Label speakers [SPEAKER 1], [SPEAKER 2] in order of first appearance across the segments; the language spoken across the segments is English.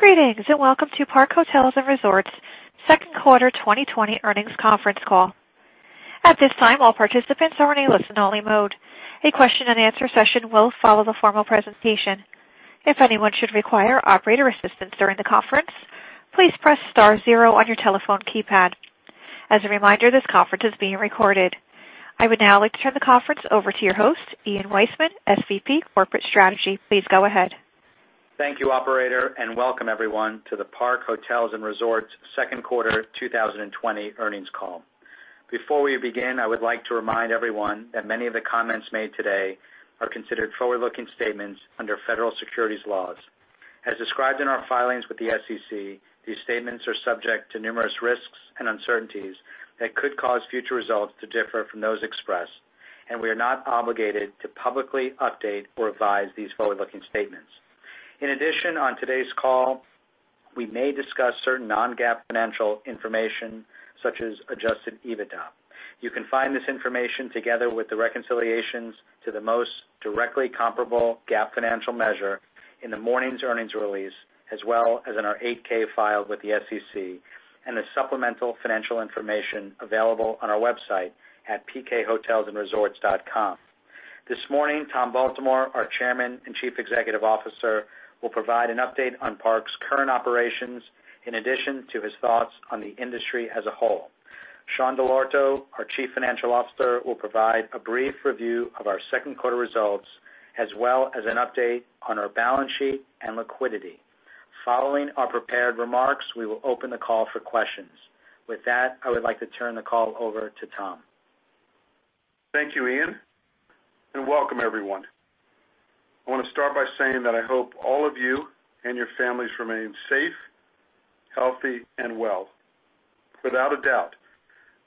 [SPEAKER 1] Greetings. Welcome to Park Hotels & Resorts' second quarter 2020 earnings conference call. At this time all participants are in listen-only mode. A question-and-answer session will folIow the formal presentation. If anyone should require operator assistance during the conference. Please press star zero on your telephone keypad. As a reminder this conference is being recorded. I would now like to turn the conference over to your host, Ian Weissman, SVP Corporate Strategy. Please go ahead.
[SPEAKER 2] Thank you, operator, and welcome everyone to the Park Hotels & Resorts second quarter 2020 earnings call. Before we begin, I would like to remind everyone that many of the comments made today are considered forward-looking statements under Federal Securities Laws. As described in our filings with the SEC, these statements are subject to numerous risks and uncertainties that could cause future results to differ from those expressed. We are not obligated to publicly update or revise these forward-looking statements. In addition, on today's call, we may discuss certain non-GAAP financial information, such as adjusted EBITDA. You can find this information together with the reconciliations to the most directly comparable GAAP financial measure in the morning's earnings release, as well as in our 8-K filed with the SEC. The supplemental financial information is available on our website at pkhotelsandresorts.com. This morning, Tom Baltimore, our Chairman and Chief Executive Officer, will provide an update on Park's current operations, in addition to his thoughts on the industry as a whole. Sean Dell'Orto, our Chief Financial Officer, will provide a brief review of our second quarter results, as well as an update on our balance sheet and liquidity. Following our prepared remarks, we will open the call for questions. With that, I would like to turn the call over to Tom.
[SPEAKER 3] Thank you, Ian, and welcome everyone. I want to start by saying that I hope all of you and your families remain safe, healthy, and well. Without a doubt,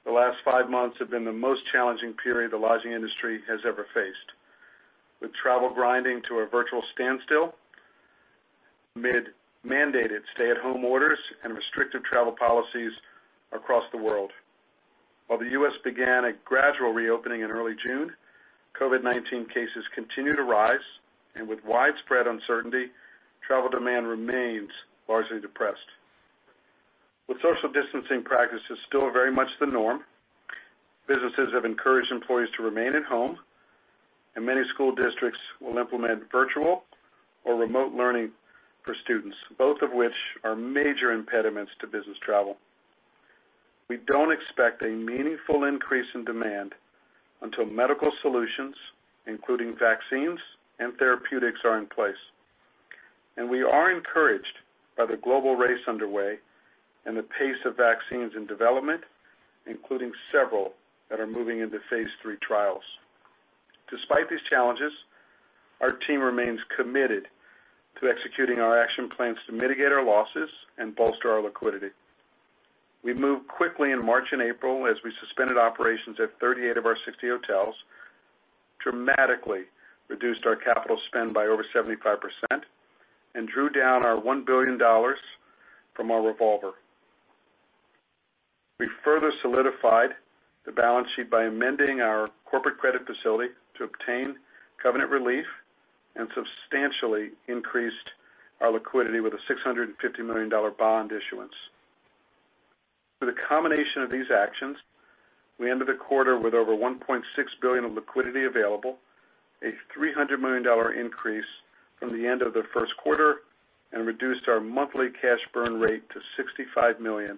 [SPEAKER 3] the last five months have been the most challenging period the lodging industry has ever faced, with travel grinding to a virtual standstill amid mandated stay-at-home orders and restrictive travel policies across the world. While the U.S. began a gradual reopening in early June, COVID-19 cases continue to rise, and with widespread uncertainty, travel demand remains largely depressed. With social distancing practices still very much the norm, businesses have encouraged employees to remain at home, and many school districts will implement virtual or remote learning for students, both of which are major impediments to business travel. We don't expect a meaningful increase in demand until medical solutions, including vaccines and therapeutics, are in place. We are encouraged by the global race underway and the pace of vaccines in development, including several that are moving into phase III trials. Despite these challenges, our team remains committed to executing our action plans to mitigate our losses and bolster our liquidity. We moved quickly in March and April as we suspended operations at 38 of our 60 hotels, dramatically reduced our capital spend by over 75%, and drew down our $1 billion from our revolver. We further solidified the balance sheet by amending our corporate credit facility to obtain covenant relief and substantially increased our liquidity with a $650 million bond issuance. Through the combination of these actions, we ended the quarter with over $1.6 billion of liquidity available, a $300 million increase from the end of the first quarter, and reduced our monthly cash burn rate to $65 million,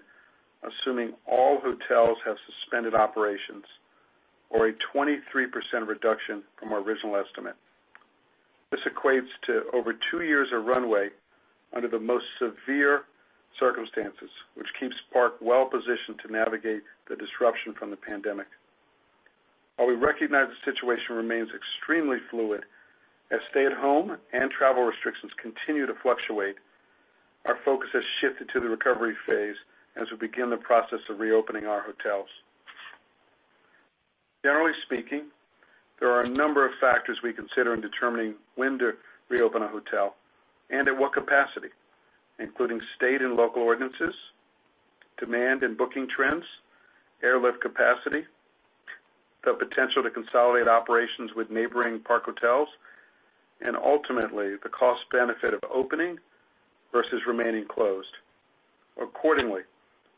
[SPEAKER 3] assuming all hotels have suspended operations, or a 23% reduction from our original estimate. This equates to over two years of runway under the most severe circumstances, which keeps Park well-positioned to navigate the disruption from the pandemic. While we recognize the situation remains extremely fluid, as stay-at-home and travel restrictions continue to fluctuate, our focus has shifted to the recovery phase as we begin the process of reopening our hotels. Generally speaking, there are a number of factors we consider in determining when to reopen a hotel and at what capacity, including state and local ordinances, demand and booking trends, airlift capacity, the potential to consolidate operations with neighboring Park Hotels, and ultimately, the cost benefit of opening versus remaining closed. Accordingly,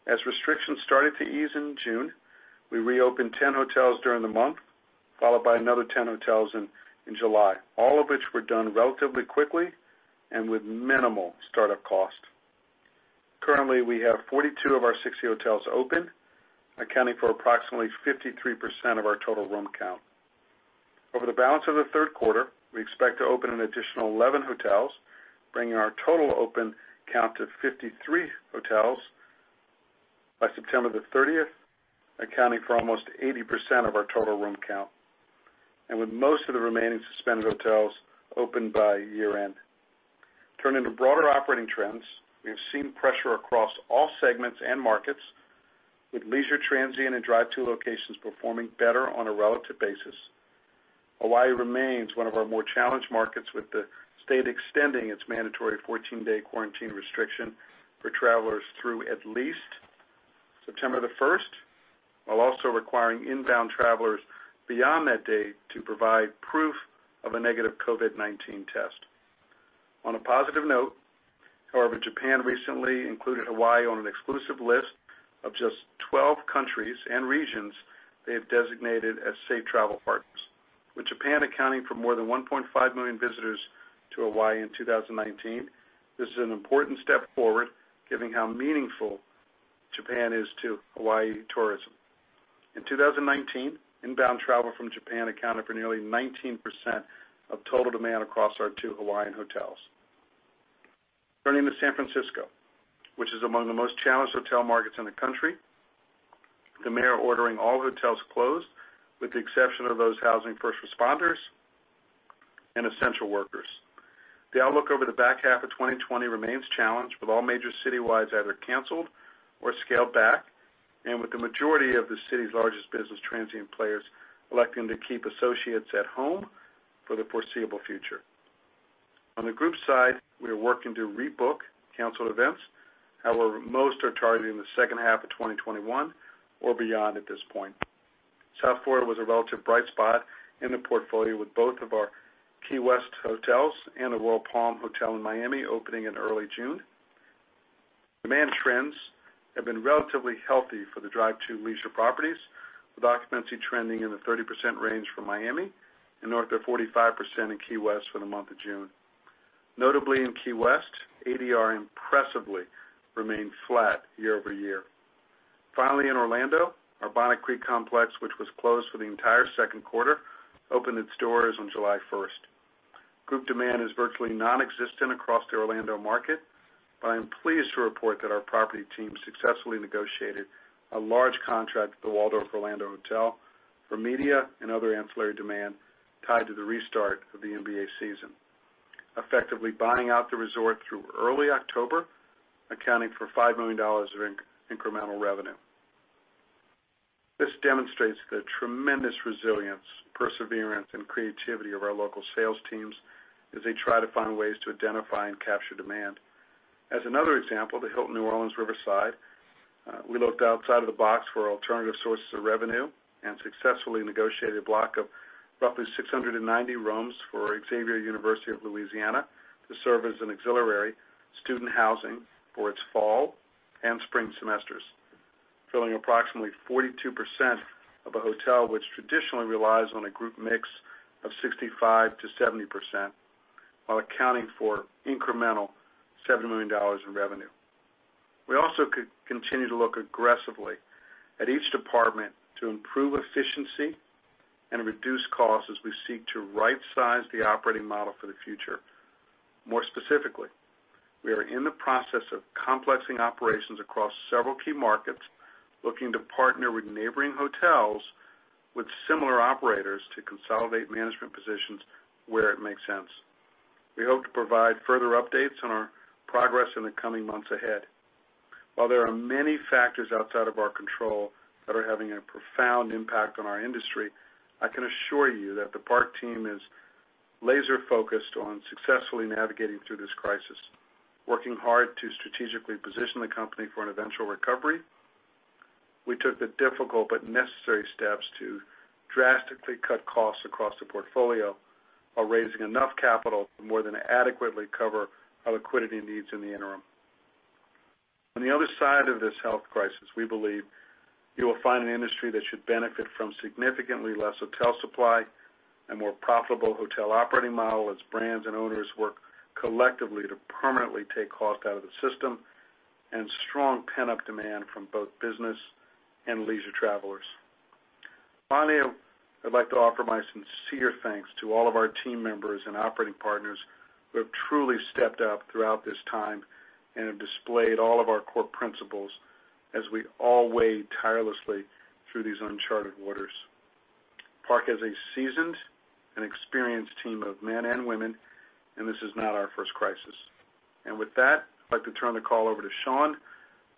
[SPEAKER 3] as restrictions started to ease in June, we reopened 10 hotels during the month, followed by another 10 hotels in July, all of which were done relatively quickly and with minimal startup cost. Currently, we have 42 of our 60 hotels open, accounting for approximately 53% of our total room count. Over the balance of the third quarter, we expect to open an additional 11 hotels, bringing our total open count to 53 hotels by September the 30th, accounting for almost 80% of our total room count, and with most of the remaining suspended hotels open by year-end. Turning to broader operating trends, we have seen pressure across all segments and markets, with leisure transient and drive-to locations performing better on a relative basis. Hawaii remains one of our more challenged markets, with the state extending its mandatory 14-day quarantine restriction for travelers through at least September the 1st, while also requiring inbound travelers beyond that date to provide proof of a negative COVID-19 test. On a positive note, however, Japan recently included Hawaii on an exclusive list of just 12 countries and regions they have designated as safe travel partners. With Japan accounting for more than 1.5 million visitors to Hawaii in 2019, this is an important step forward given how meaningful Japan is to Hawaii tourism. In 2019, inbound travel from Japan accounted for nearly 19% of total demand across our two Hawaiian hotels. Turning to San Francisco, which is among the most challenged hotel markets in the country, the mayor ordering all hotels closed, with the exception of those housing first responders and essential workers. The outlook over the back half of 2020 remains challenged, with all major citywides either canceled or scaled back, and with the majority of the city's largest business transient players electing to keep associates at home for the foreseeable future. On the group side, we are working to rebook canceled events. However, most are targeting the second half of 2021 or beyond at this point. South Florida was a relative bright spot in the portfolio, with both of our Key West hotels and the Royal Palm Hotel in Miami opening in early June. Demand trends have been relatively healthy for the drive-to leisure properties, with occupancy trending in the 30% range for Miami and north of 45% in Key West for the month of June. Notably, in Key West, ADR impressively remained flat year-over-year. Finally, in Orlando, our Bonnet Creek complex, which was closed for the entire second quarter, opened its doors on July 1st. Group demand is virtually nonexistent across the Orlando market, but I am pleased to report that our property team successfully negotiated a large contract at the Waldorf Astoria Orlando for media and other ancillary demand tied to the restart of the NBA season, effectively buying out the resort through early October, accounting for $5 million of incremental revenue. This demonstrates the tremendous resilience, perseverance, and creativity of our local sales teams as they try to find ways to identify and capture demand. As another example, the Hilton New Orleans Riverside, we looked outside of the box for alternative sources of revenue and successfully negotiated a block of roughly 690 rooms for Xavier University of Louisiana to serve as an auxiliary student housing for its fall and spring semesters, filling approximately 42% of a hotel which traditionally relies on a group mix of 65%-70%, while accounting for incremental $7 million in revenue. We also continue to look aggressively at each department to improve efficiency and reduce costs as we seek to right size the operating model for the future. More specifically, we are in the process of complexing operations across several key markets, looking to partner with neighboring hotels with similar operators to consolidate management positions where it makes sense. We hope to provide further updates on our progress in the coming months ahead. While there are many factors outside of our control that are having a profound impact on our industry, I can assure you that the Park team is laser-focused on successfully navigating through this crisis, working hard to strategically position the company for an eventual recovery. We took the difficult but necessary steps to drastically cut costs across the portfolio while raising enough capital to more than adequately cover our liquidity needs in the interim. On the other side of this health crisis, we believe you will find an industry that should benefit from significantly less hotel supply, a more profitable hotel operating model as brands and owners work collectively to permanently take cost out of the system, and strong pent-up demand from both business and leisure travelers. Finally, I'd like to offer my sincere thanks to all of our team members and operating partners who have truly stepped up throughout this time and have displayed all of our core principles as we all wade tirelessly through these uncharted waters. Park has a seasoned and experienced team of men and women, this is not our first crisis. With that, I'd like to turn the call over to Sean,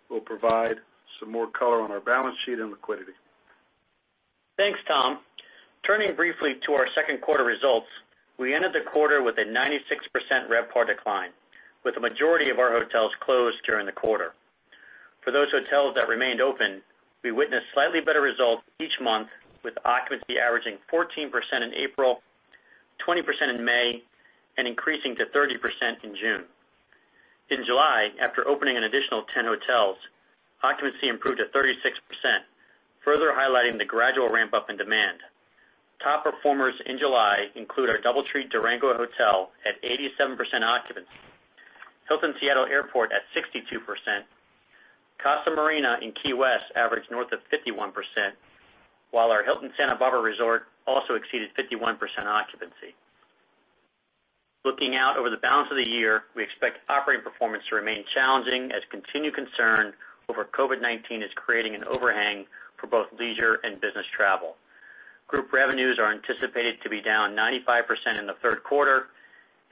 [SPEAKER 3] who will provide some more color on our balance sheet and liquidity.
[SPEAKER 4] Thanks, Tom. Turning briefly to our second quarter results, we ended the quarter with a 96% RevPAR decline, with the majority of our hotels closed during the quarter. For those hotels that remained open, we witnessed slightly better results each month, with occupancy averaging 14% in April, 20% in May, and increasing to 30% in June. In July, after opening an additional 10 hotels, occupancy improved to 36%, further highlighting the gradual ramp-up in demand. Top performers in July include our DoubleTree Durango Hotel at 87% occupancy, Hilton Seattle Airport at 62%, Casa Marina in Key West averaged north of 51%, while our Hilton Santa Barbara Resort also exceeded 51% occupancy. Looking out over the balance of the year, we expect operating performance to remain challenging as continued concern over COVID-19 is creating an overhang for both leisure and business travel. Group revenues are anticipated to be down 95% in the third quarter,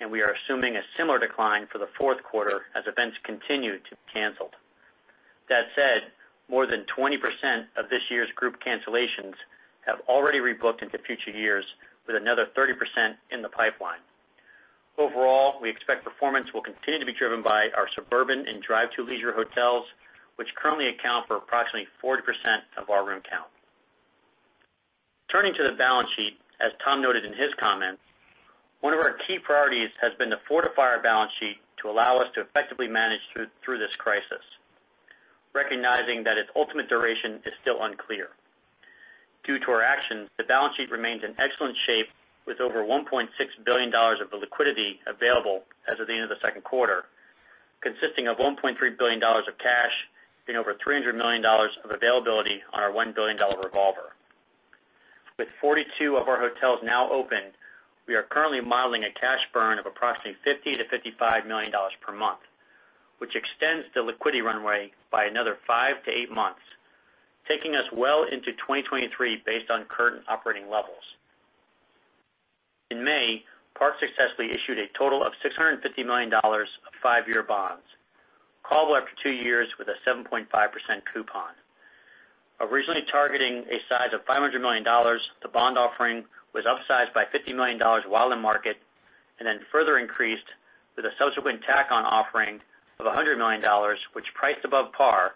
[SPEAKER 4] and we are assuming a similar decline for the fourth quarter as events continue to be canceled. That said, more than 20% of this year's group cancellations have already rebooked into future years with another 30% in the pipeline. Overall, we expect performance will continue to be driven by our suburban and drive-to leisure hotels, which currently account for approximately 40% of our room count. Turning to the balance sheet, as Tom noted in his comments, one of our key priorities has been to fortify our balance sheet to allow us to effectively manage through this crisis, recognizing that its ultimate duration is still unclear. Due to our actions, the balance sheet remains in excellent shape with over $1.6 billion of liquidity available as of the end of the second quarter, consisting of $1.3 billion of cash and over $300 million of availability on our $1 billion revolver. With 42 of our hotels now open, we are currently modeling a cash burn of approximately $50 million-$55 million per month, which extends the liquidity runway by another five to eight months, taking us well into 2023 based on current operating levels. In May, Park successfully issued a total of $650 million of five-year bonds, callable after two years with a 7.5% coupon. Originally targeting a size of $500 million, the bond offering was upsized by $50 million while in market, and then further increased with a subsequent tack-on offering of $100 million, which priced above par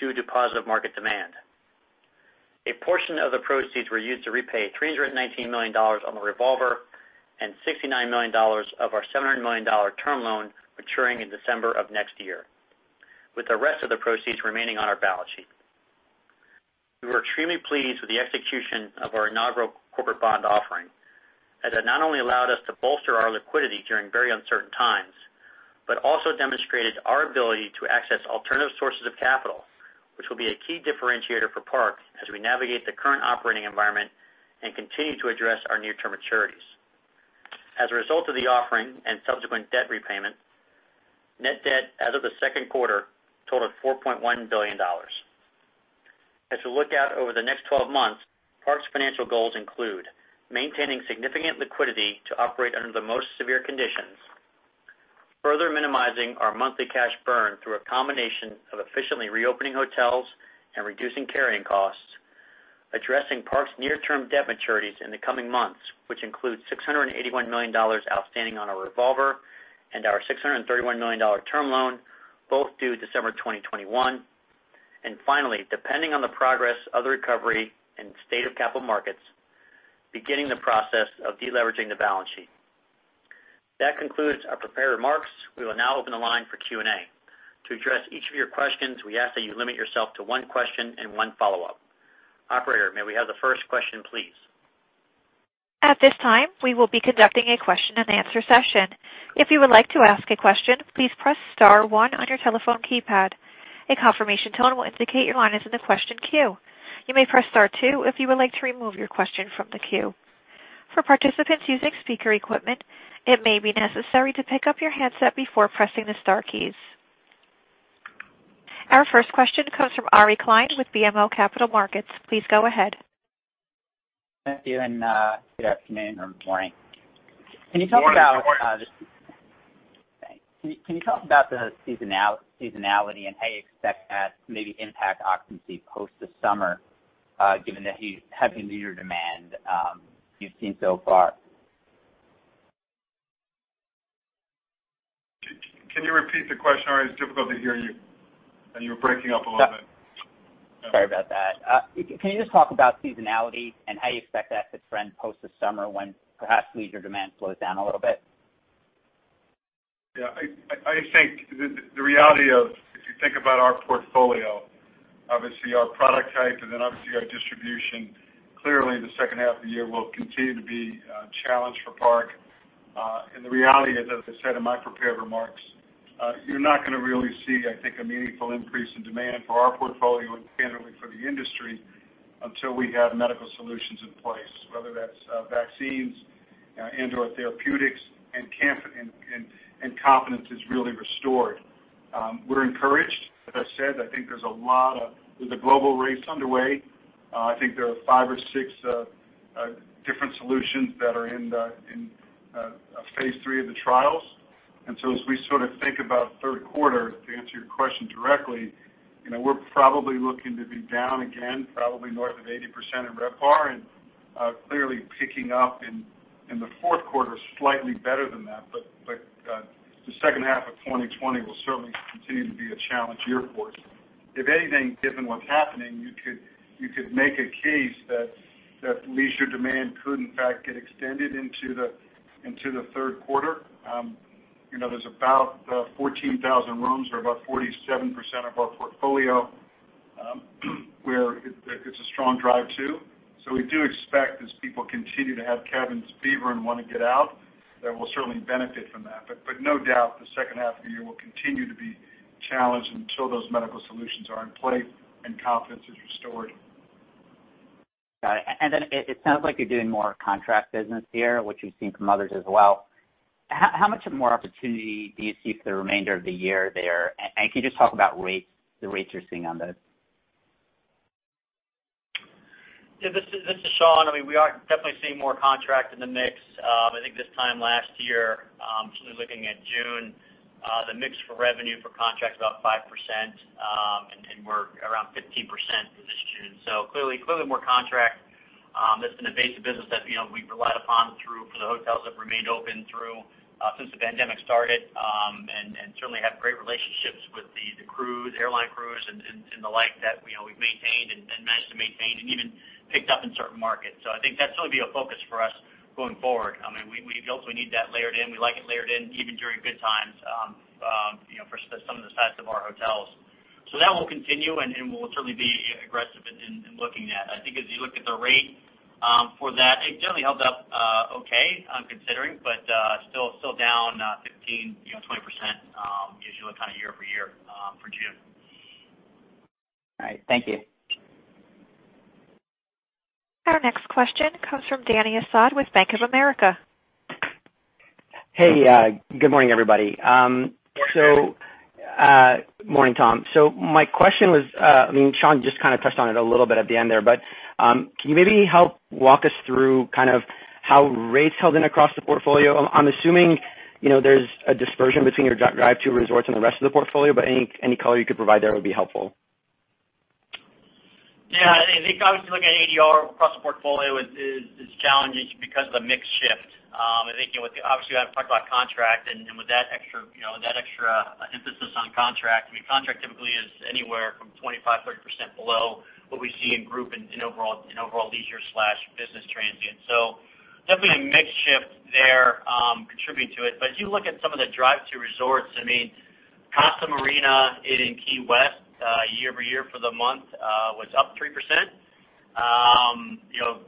[SPEAKER 4] due to positive market demand. A portion of the proceeds were used to repay $319 million on the revolver and $69 million of our $700 million term loan maturing in December of next year, with the rest of the proceeds remaining on our balance sheet. We were extremely pleased with the execution of our inaugural corporate bond offering, as it not only allowed us to bolster our liquidity during very uncertain times, but also demonstrated our ability to access alternative sources of capital, which will be a key differentiator for Park as we navigate the current operating environment and continue to address our near-term maturities. As a result of the offering and subsequent debt repayment, net debt as of the second quarter totaled $4.1 billion. As we look out over the next 12 months, Park's financial goals include maintaining significant liquidity to operate under the most severe conditions, further minimizing our monthly cash burn through a combination of efficiently reopening hotels and reducing carrying costs, addressing Park's near-term debt maturities in the coming months, which include $681 million outstanding on our revolver and our $631 million term loan, both due December 2021, and finally, depending on the progress of the recovery and state of capital markets, beginning the process of de-leveraging the balance sheet. That concludes our prepared remarks. We will now open the line for Q&A. To address each of your questions, we ask that you limit yourself to one question and one follow-up. Operator, may we have the first question, please?
[SPEAKER 1] At this time we will be conducting a question-and-answer session. If you would like to ask a question, please press star one on your telephone keypad. A confirmation tone will indicate your line is in the question queue. You may press star two if you would like to remove your question from the queue. For participants using speaker equipment, it may be necessary to pick up your handset before pressing the star keys. Our first question comes from Ari Klein with BMO Capital Markets. Please go ahead.
[SPEAKER 5] Thank you, and good afternoon or morning.
[SPEAKER 3] Morning.
[SPEAKER 5] Thanks. Can you talk about the seasonality and how you expect that to maybe impact occupancy post this summer, given the heavy leisure demand you've seen so far?
[SPEAKER 3] Can you repeat the question, Ari? It's difficult to hear you. You're breaking up a little bit.
[SPEAKER 5] Sorry about that. Can you just talk about seasonality and how you expect that to trend post this summer when perhaps leisure demand slows down a little bit?
[SPEAKER 3] Yeah. I think the reality of, if you think about our portfolio, obviously our product type and then obviously our distribution, clearly the second half of the year will continue to be a challenge for Park. The reality is, as I said in my prepared remarks, you're not going to really see, I think, a meaningful increase in demand for our portfolio and candidly for the industry until we have medical solutions in place, whether that's vaccines and/or therapeutics, and confidence is really restored. We're encouraged. As I said, I think there's a global race underway. I think there are five or six different solutions that are in phase III of the trials. As we sort of think about third quarter, to answer your question directly, we're probably looking to be down again, probably north of 80% in RevPAR, and clearly picking up in the fourth quarter slightly better than that. The second half of 2020 will certainly continue to be a challenge year for us. If anything, given what's happening, you could make a case that leisure demand could, in fact, get extended into the third quarter. There's about 14,000 rooms or about 47% of our portfolio, where it's a strong drive to. We do expect as people continue to have cabin fever and want to get out, that we'll certainly benefit from that. No doubt, the second half of the year will continue to be challenged until those medical solutions are in place and confidence is restored.
[SPEAKER 5] Got it. It sounds like you're doing more contract business here, which we've seen from others as well. How much more opportunity do you see for the remainder of the year there? Can you just talk about the rates you're seeing on those?
[SPEAKER 4] Yeah, this is Sean. We are definitely seeing more contract in the mix. I think this time last year, specifically looking at June, the mix for revenue for contracts was about 5%. Around 15% for the students. Clearly more contract. That's been a base of business that we've relied upon for the hotels that remained open since the pandemic started, and certainly have great relationships with the airline crews and the like that we've maintained and managed to maintain and even picked up in certain markets. I think that's really been a focus for us going forward. We also need that layered in. We like it layered in, even during good times, for some of the sets of our hotels. That will continue, and we'll certainly be aggressive in looking at. I think as you look at the rate for that, it generally held up okay, considering, but still down 15%-20% as you look year-over-year for June.
[SPEAKER 5] All right. Thank you.
[SPEAKER 1] Our next question comes from Dany Asad with Bank of America.
[SPEAKER 6] Hey, good morning, everybody.
[SPEAKER 3] Good morning.
[SPEAKER 6] Morning, Tom. My question was, Sean just kind of touched on it a little bit at the end there. Can you maybe help walk us through how rates held in across the portfolio? I'm assuming there's a dispersion between your drive to resorts and the rest of the portfolio. Any color you could provide there would be helpful.
[SPEAKER 4] Yeah. I think obviously looking at ADR across the portfolio is challenging because of the mix shift. I think, obviously, we have to talk about contract, and with that extra emphasis on contract. Contract typically is anywhere from 25, 30% below what we see in group, in overall leisure/business transient. Definitely a mix shift there contributing to it. If you look at some of the drive to resorts, Casa Marina in Key West, year-over-year for the month was up 3%.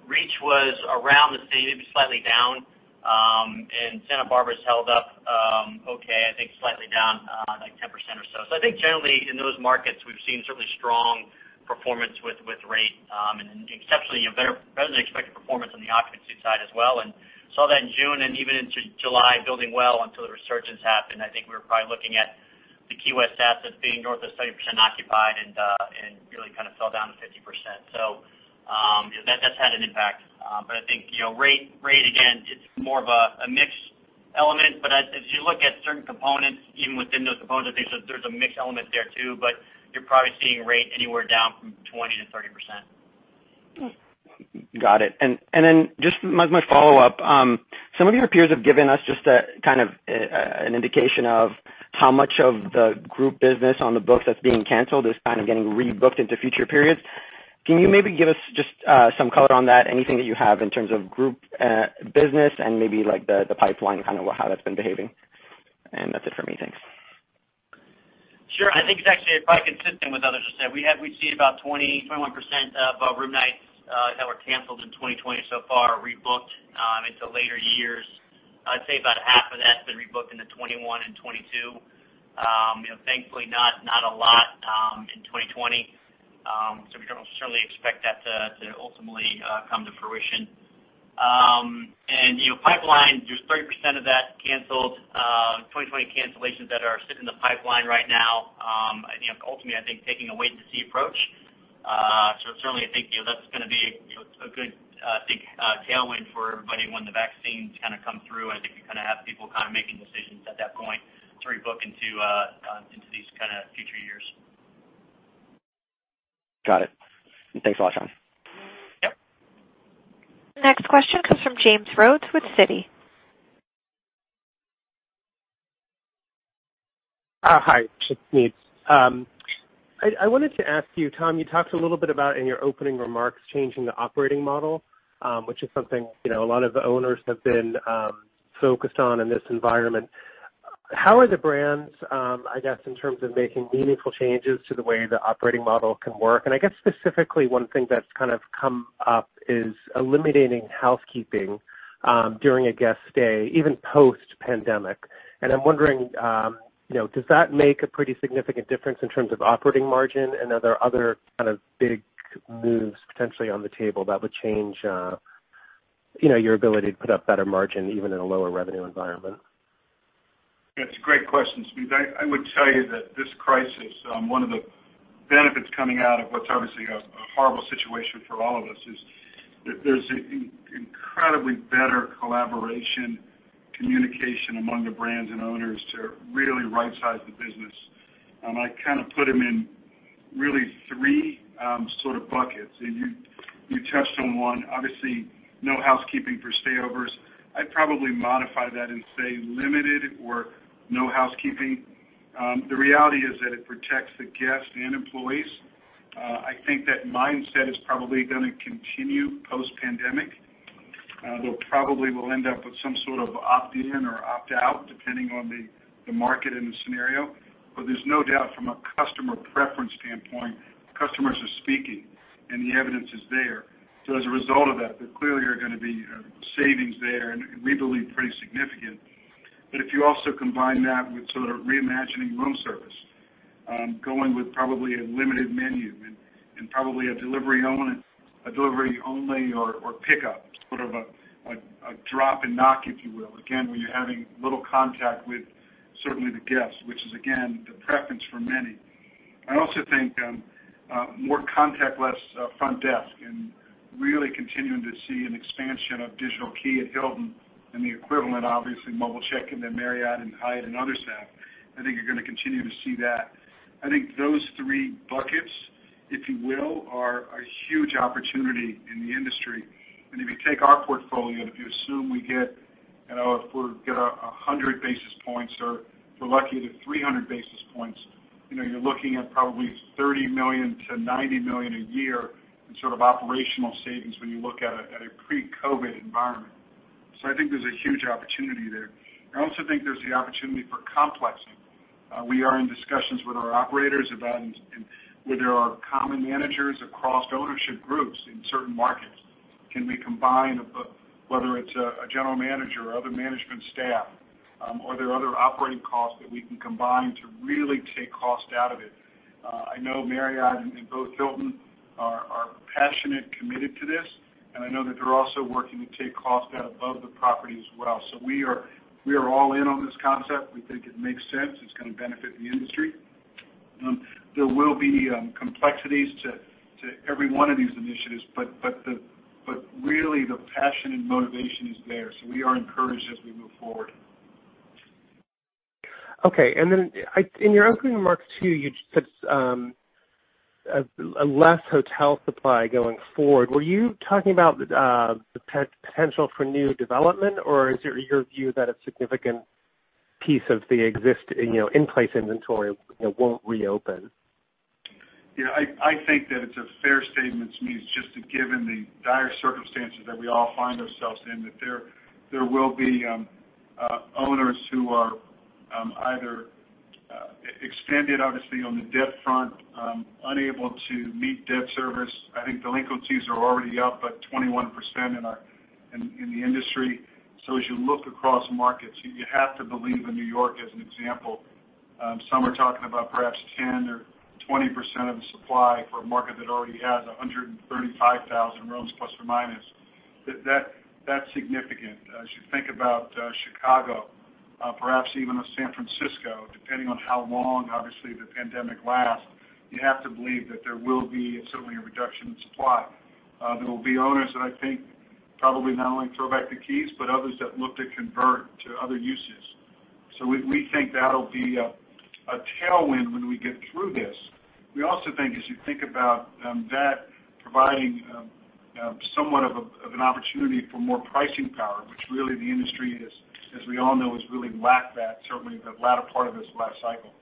[SPEAKER 4] Reach was around the same, maybe slightly down, and Santa Barbara's held up okay, I think slightly down 10% or so. I think generally in those markets, we've seen certainly strong performance with rate, and exceptionally better than expected performance on the occupancy side as well. Saw that in June and even into July building well until the resurgence happened. I think we were probably looking at the Key West assets being north of 70% occupied and really kind of fell down to 50%. That's had an impact. I think rate, again, it's more of a mix element. As you look at certain components, even within those components, I think there's a mix element there too, but you're probably seeing rate anywhere down from 20%-30%.
[SPEAKER 6] Got it. Just my follow-up. Some of your peers have given us just an indication of how much of the group business on the books that's being canceled is kind of getting rebooked into future periods. Can you maybe give us just some color on that? Anything that you have in terms of group business and maybe the pipeline, how that's been behaving? That's it for me. Thanks.
[SPEAKER 4] Sure. I think it's actually quite consistent with others have said. We've seen about 20, 21% of our room nights that were canceled in 2020 so far rebooked into later years. I'd say about half of that's been rebooked into 2021 and 2022. Thankfully not a lot in 2020. We don't certainly expect that to ultimately come to fruition. Pipeline, just 30% of that canceled, 2020 cancellations that are sitting in the pipeline right now. Ultimately, I think taking a wait and see approach. Certainly I think that's going to be a good, I think, tailwind for everybody when the vaccines kind of come through. I think you have people making decisions at that point to rebook into these future years.
[SPEAKER 6] Got it. Thanks a lot, Sean.
[SPEAKER 4] Yep.
[SPEAKER 1] Next question comes from James Rhodes with Citi.
[SPEAKER 7] Hi. It's Smedes. I wanted to ask you, Tom, you talked a little bit about, in your opening remarks, changing the operating model, which is something a lot of the owners have been focused on in this environment. How are the brands, I guess, in terms of making meaningful changes to the way the operating model can work? I guess specifically, one thing that's kind of come up is eliminating housekeeping during a guest stay, even post-pandemic. I'm wondering, does that make a pretty significant difference in terms of operating margin? Are there other kind of big moves potentially on the table that would change your ability to put up better margin even in a lower revenue environment?
[SPEAKER 3] That's a great question, Smedes. I would tell you that this crisis, one of the benefits coming out of what's obviously a horrible situation for all of us is there's incredibly better collaboration, communication among the brands and owners to really right size the business. I kind of put them in really three sort of buckets, and you touched on one. Obviously, no housekeeping for stayovers. I'd probably modify that and say limited or no housekeeping. The reality is that it protects the guests and employees. I think that mindset is probably going to continue post-pandemic. Probably we'll end up with some sort of opt-in or opt-out, depending on the market and the scenario. There's no doubt from a customer preference standpoint, customers are speaking, and the evidence is there. As a result of that, there clearly are going to be savings there, and we believe pretty significant. If you also combine that with sort of reimagining room service, going with probably a limited menu and probably a delivery only or pickup, sort of a drop and knock, if you will. Again, where you're having little contact with certainly the guests, which is again, the preference for many. I also think more contactless front desk and. Really continuing to see an expansion of Digital Key at Hilton, and the equivalent, obviously, Mobile Check-in at Marriott and Hyatt and others now. I think you're going to continue to see that. I think those three buckets, if you will, are a huge opportunity in the industry. If you take our portfolio, and if you assume if we get 100 basis points, or if we're lucky, the 300 basis points, you're looking at probably $30 million-$90 million a year in operational savings when you look at a pre-COVID environment. I think there's a huge opportunity there. I also think there's the opportunity for complexing. We are in discussions with our operators about where there are common managers across ownership groups in certain markets. Can we combine a book, whether it's a general manager or other management staff? Are there other operating costs that we can combine to really take cost out of it? I know Marriott and both Hilton are passionately committed to this, and I know that they're also working to take cost out of the properties as well. We are all in on this concept. We think it makes sense. It's going to benefit the industry. There will be complexities to every one of these initiatives, but really the passion and motivation is there, so we are encouraged as we move forward.
[SPEAKER 7] Okay. In your opening remarks, too, you said less hotel supply going forward. Were you talking about the potential for new development, or is it your view that a significant piece of the existing in-place inventory won't reopen?
[SPEAKER 3] Yeah. I think that it's a fair statement, Smedes, just given the dire circumstances that we all find ourselves in, that there will be owners who are either extended, obviously, on the debt front, unable to meet debt service. I think delinquencies are already up by 21% in the industry. As you look across markets, you have to believe in New York as an example. Some are talking about perhaps 10% or 20% of the supply for a market that already has 135,000 rooms, plus or minus. That's significant. As you think about Chicago, perhaps even San Francisco, depending on how long, obviously, the pandemic lasts, you have to believe that there will be certainly a reduction in supply. There will be owners that I think probably not only throw back the keys, but others that look to convert to other uses. We think that'll be a tailwind when we get through this. We also think as you think about that providing somewhat of an opportunity for more pricing power, which really the industry, as we all know, has really lacked that, certainly the latter part of this last cycle.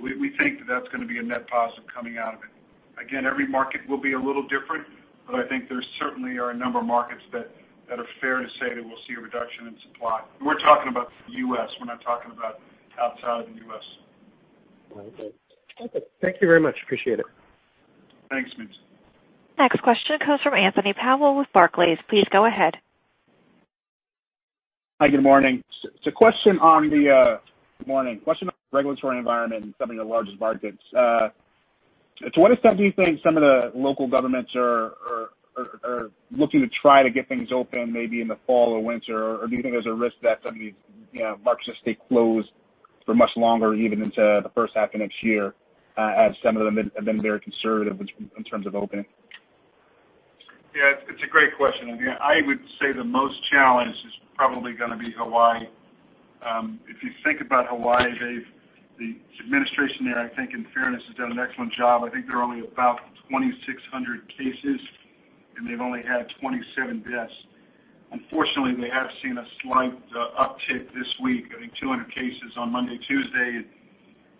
[SPEAKER 3] We think that that's going to be a net positive coming out of it. Again, every market will be a little different, but I think there certainly are a number of markets that are fair to say that we'll see a reduction in supply. We're talking about the U.S., we're not talking about outside the U.S.
[SPEAKER 7] Okay. Thank you very much. Appreciate it.
[SPEAKER 3] Thanks, Smedes.
[SPEAKER 1] Next question comes from Anthony Powell with Barclays. Please go ahead.
[SPEAKER 8] Hi, good morning. A question on the regulatory environment in some of your largest markets. To what extent do you think some of the local governments are looking to try to get things open, maybe in the fall or winter? Or do you think there's a risk that some of these markets just stay closed for much longer, even into the first half of next year, as some of them have been very conservative in terms of opening?
[SPEAKER 3] It's a great question. Again, I would say the most challenged is probably going to be Hawaii. If you think about Hawaii, the administration there, I think, in fairness, has done an excellent job. I think there are only about 2,600 cases, and they've only had 27 deaths. Unfortunately, they have seen a slight uptick this week. I think 200 cases on Monday, Tuesday,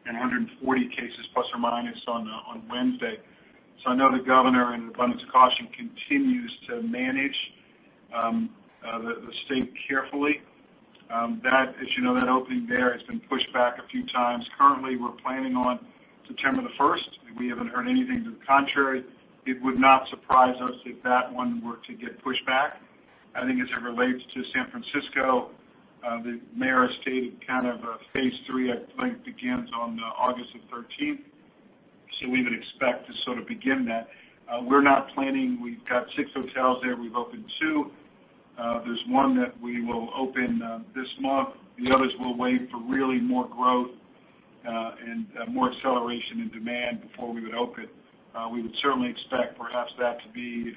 [SPEAKER 3] and 140 cases ± on Wednesday. I know the governor, in abundance of caution, continues to manage the state carefully. As you know, that opening there has been pushed back a few times. Currently, we're planning on September 1st. We haven't heard anything to the contrary. It would not surprise us if that one were to get pushed back. I think as it relates to San Francisco, the mayor has stated kind of a phase III, I think, begins on August 13th. We would expect to sort of begin that. We're not planning. We've got six hotels there. We've opened two. There's one that we will open this month. The others we'll wait for really more growth and more acceleration in demand before we would open. We would certainly expect perhaps that to be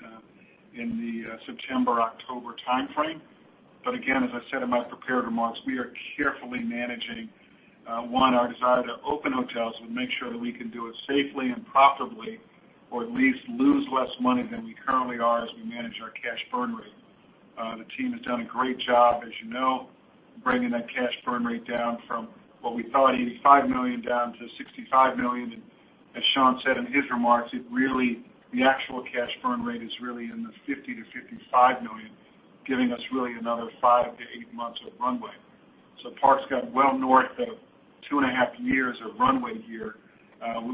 [SPEAKER 3] in the September, October timeframe. Again, as I said in my prepared remarks, we are carefully managing, one, our desire to open hotels and make sure that we can do it safely and profitably, or at least lose less money than we currently are as we manage our cash burn rate. The team has done a great job, as you know, bringing that cash burn rate down from what we thought, $85 million, down to $65 million. As Sean said in his remarks, the actual cash burn rate is really in the $50 million-$55 million, giving us really another 5-8 months of runway. Park's got well north of two and a half years of runway here,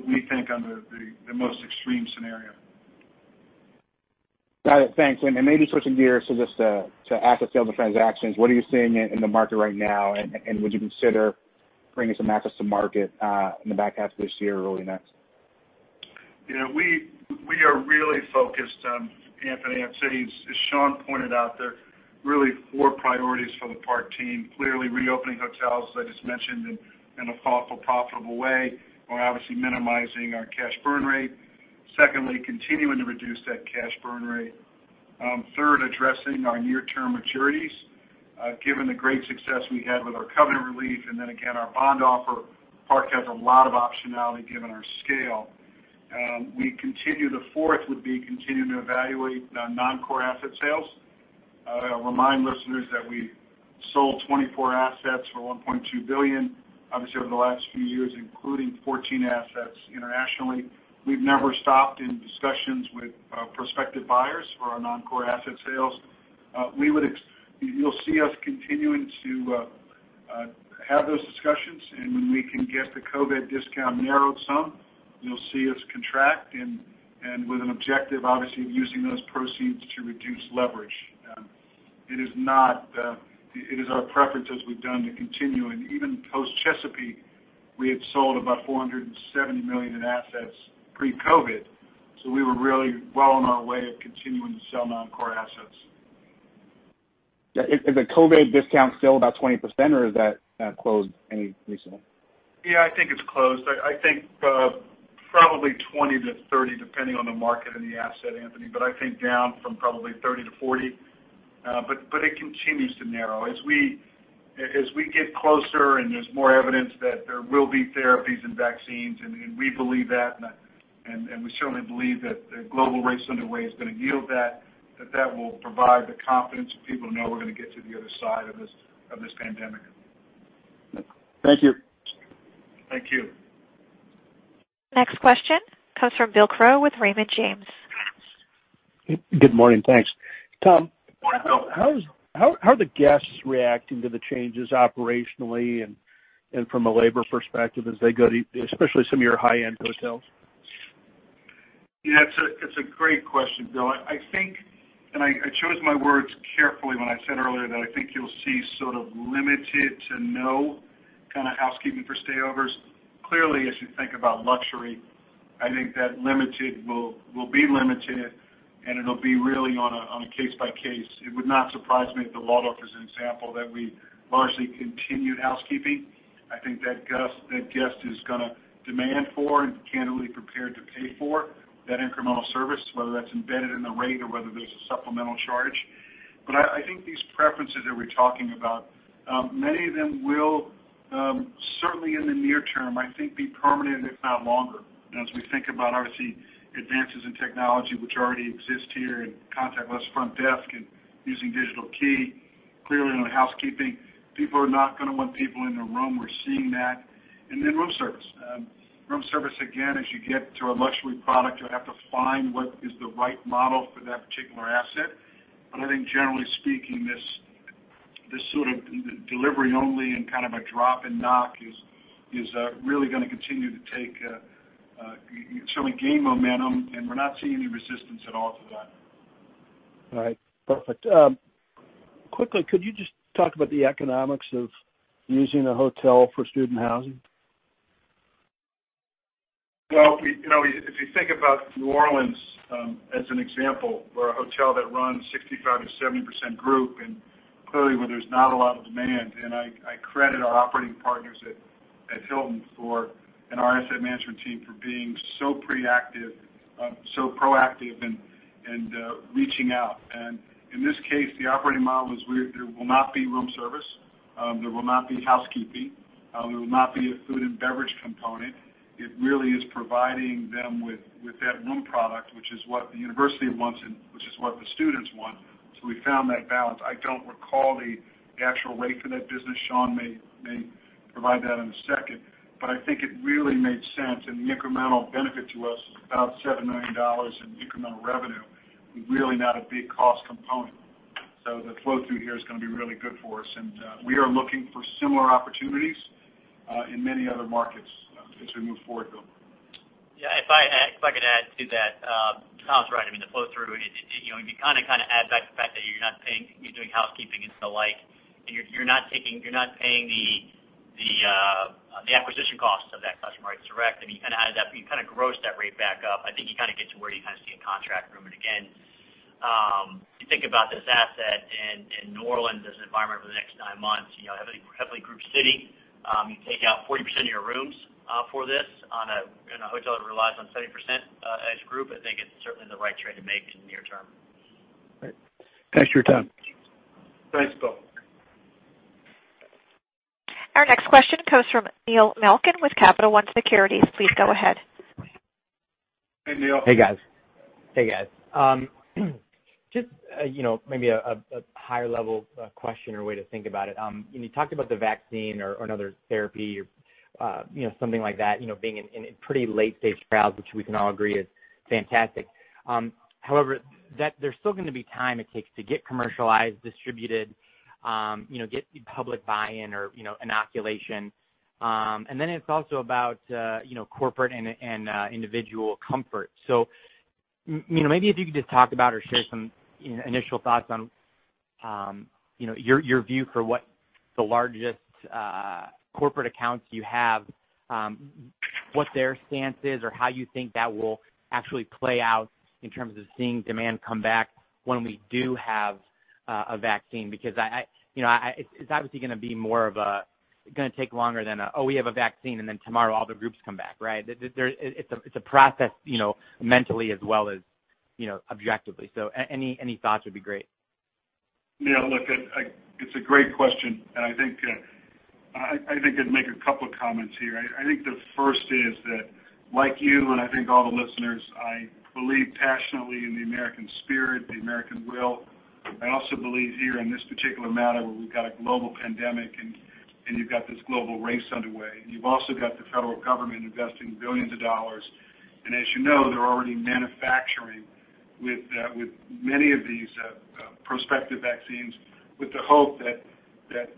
[SPEAKER 3] we think under the most extreme scenario.
[SPEAKER 8] Got it. Thanks. Maybe switching gears to just the asset sales and transactions, what are you seeing in the market right now, and would you consider bringing some assets to market in the back half of this year or early next?
[SPEAKER 3] We are really focused, Anthony, on cities. Sean pointed out there are really four priorities for the Park team. Clearly, reopening hotels, as I just mentioned, in a profitable way. We're obviously minimizing our cash burn rate. Secondly, continuing to reduce that cash burn rate. Third, addressing our near-term maturities. Given the great success we had with our covenant relief and then again our bond offer, Park has a lot of optionality given our scale. The fourth would be continuing to evaluate non-core asset sales. I'll remind listeners that we sold 24 assets for $1.2 billion, obviously, over the last few years, including 14 assets internationally. We've never stopped in discussions with prospective buyers for our non-core asset sales. You'll see us continuing to have those discussions, and when we can get the COVID discount narrowed some, you'll see us contract, and with an objective, obviously, of using those proceeds to reduce leverage. It is our preference, as we've done, to continue, and even post-Chesapeake, we had sold about $470 million in assets pre-COVID. We were really well on our way of continuing to sell non-core assets.
[SPEAKER 8] Yeah. Is the COVID discount still about 20%, or has that closed any recently?
[SPEAKER 3] Yeah, I think it's closed. I think probably 20-30, depending on the market and the asset, Anthony. I think down from probably 30-40. It continues to narrow. As we get closer, and there's more evidence that there will be therapies and vaccines, and we believe that, and we certainly believe that the global race underway is going to yield that that will provide the confidence for people to know we're going to get to the other side of this pandemic.
[SPEAKER 8] Thank you.
[SPEAKER 3] Thank you.
[SPEAKER 1] Next question comes from Bill Crow with Raymond James.
[SPEAKER 9] Good morning. Thanks.
[SPEAKER 3] Good morning, Bill.
[SPEAKER 9] How are the guests reacting to the changes operationally and from a labor perspective as they go to, especially some of your high-end hotels?
[SPEAKER 3] Yeah, it's a great question, Bill. I think I chose my words carefully when I said earlier that I think you'll see sort of limited to no kind of housekeeping for stay-overs. Clearly, as you think about luxury, I think that limited will be limited, and it'll be really on a case by case. It would not surprise me if the Waldorf, as an example, that we largely continued housekeeping. I think that guest is going to demand for, and candidly prepared to pay for, that incremental service, whether that's embedded in the rate or whether there's a supplemental charge. I think these preferences that we're talking about, many of them will, certainly in the near term, I think be permanent if not longer. As we think about, obviously, advances in technology which already exist here in contactless front desk and using Digital Key. Clearly on the housekeeping, people are not going to want people in their room. We're seeing that. Room service. Room service, again, as you get to a luxury product, you have to find what is the right model for that particular asset. I think generally speaking, this sort of delivery only and kind of a drop and knock is really going to continue to certainly gain momentum, and we're not seeing any resistance at all to that.
[SPEAKER 9] All right, perfect. Quickly, could you just talk about the economics of using a hotel for student housing?
[SPEAKER 3] Well, if you think about New Orleans as an example for a hotel that runs 65%-70% group, clearly where there's not a lot of demand, I credit our operating partners at Hilton and our asset management team for being so proactive and reaching out. In this case, the operating model is there will not be room service. There will not be housekeeping. There will not be a food and beverage component. It really is providing them with that room product, which is what the university wants and which is what the students want. We found that balance. I don't recall the actual rate for that business. Sean may provide that in a second. I think it really made sense, and the incremental benefit to us was about $7 million in incremental revenue with really not a big cost component. The flow-through here is going to be really good for us. We are looking for similar opportunities in many other markets as we move forward, Bill.
[SPEAKER 4] Yeah, if I could add to that. Tom's right. I mean, the flow-through, and you add back the fact that you're not doing housekeeping and so the like, and you're not paying the acquisition costs of that customer. It's direct. If you gross that rate back up, I think you get to where you kind of see a contract room. Again, you think about this asset in New Orleans as an environment for the next nine months, heavily group city. You take out 40% of your rooms for this in a hotel that relies on 70% as group, I think it's certainly the right trade to make in the near term.
[SPEAKER 9] Great. Thanks for your time.
[SPEAKER 3] Thanks, Bill.
[SPEAKER 1] Our next question comes from Neil Malkin with Capital One Securities. Please go ahead.
[SPEAKER 3] Hey, Neil.
[SPEAKER 10] Hey, guys. Hey, guys. Just maybe a higher level question or way to think about it? When you talked about the vaccine or another therapy or something like that being in a pretty late stage trial, which we can all agree is fantastic. However, there's still going to be time it takes to get commercialized, distributed, get public buy-in or inoculation. Then it's also about corporate and individual comfort. Maybe if you could just talk about or share some initial thoughts on? Your view for what the largest corporate accounts you have, what their stance is or how you think that will actually play out in terms of seeing demand come back when we do have a vaccine. It's obviously going to take longer than a, "Oh, we have a vaccine," and then tomorrow all the groups come back. Right? It's a process mentally as well as objectively. Any thoughts would be great.
[SPEAKER 3] Yeah, look, it's a great question. I think I'd make a couple comments here. I think the first is that, like you and I think all the listeners, I believe passionately in the American spirit, the American will. I also believe here in this particular matter, where we've got a global pandemic, and you've got this global race underway, and you've also got the federal government investing billions of dollars. As you know, they're already manufacturing with many of these prospective vaccines with the hope that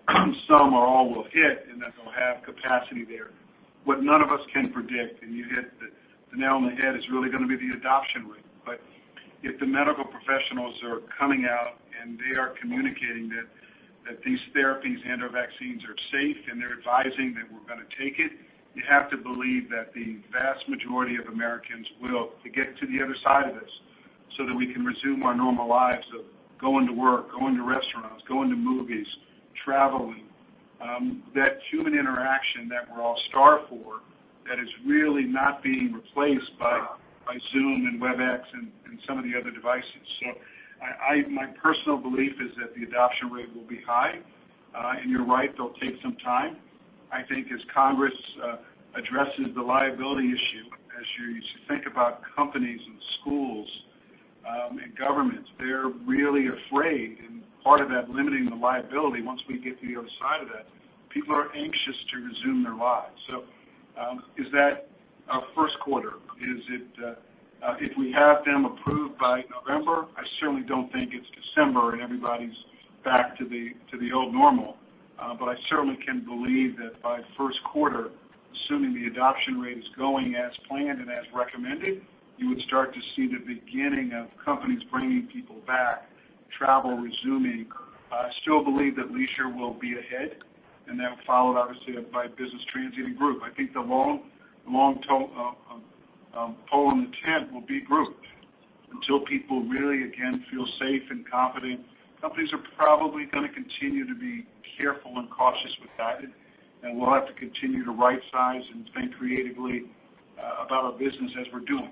[SPEAKER 3] some or all will hit, and that they'll have capacity there. What none of us can predict, and you hit the nail on the head, is really going to be the adoption rate. If the medical professionals are coming out and they are communicating that these therapies and/or vaccines are safe, and they're advising that we're going to take it, you have to believe that the vast majority of Americans will, to get to the other side of this, so that we can resume our normal lives of going to work, going to restaurants, going to movies, traveling. That human interaction that we're all starved for, that is really not being replaced by Zoom and Webex and some of the other devices. My personal belief is that the adoption rate will be high. You're right, they'll take some time. I think as Congress addresses the liability issue, as you think about companies and schools and governments, they're really afraid. Part of that limiting the liability, once we get to the other side of that, people are anxious to resume their lives. Is that first quarter? If we have them approved by November, I certainly don't think it's December and everybody's back to the old normal. I certainly can believe that by first quarter, assuming the adoption rate is going as planned and as recommended, you would start to see the beginning of companies bringing people back, travel resuming. I still believe that leisure will be ahead, and then followed obviously by business transient and group. I think the long pole in the tent will be group. Until people really, again, feel safe and confident, companies are probably going to continue to be careful and cautious with that, and we'll have to continue to right-size and think creatively about our business as we're doing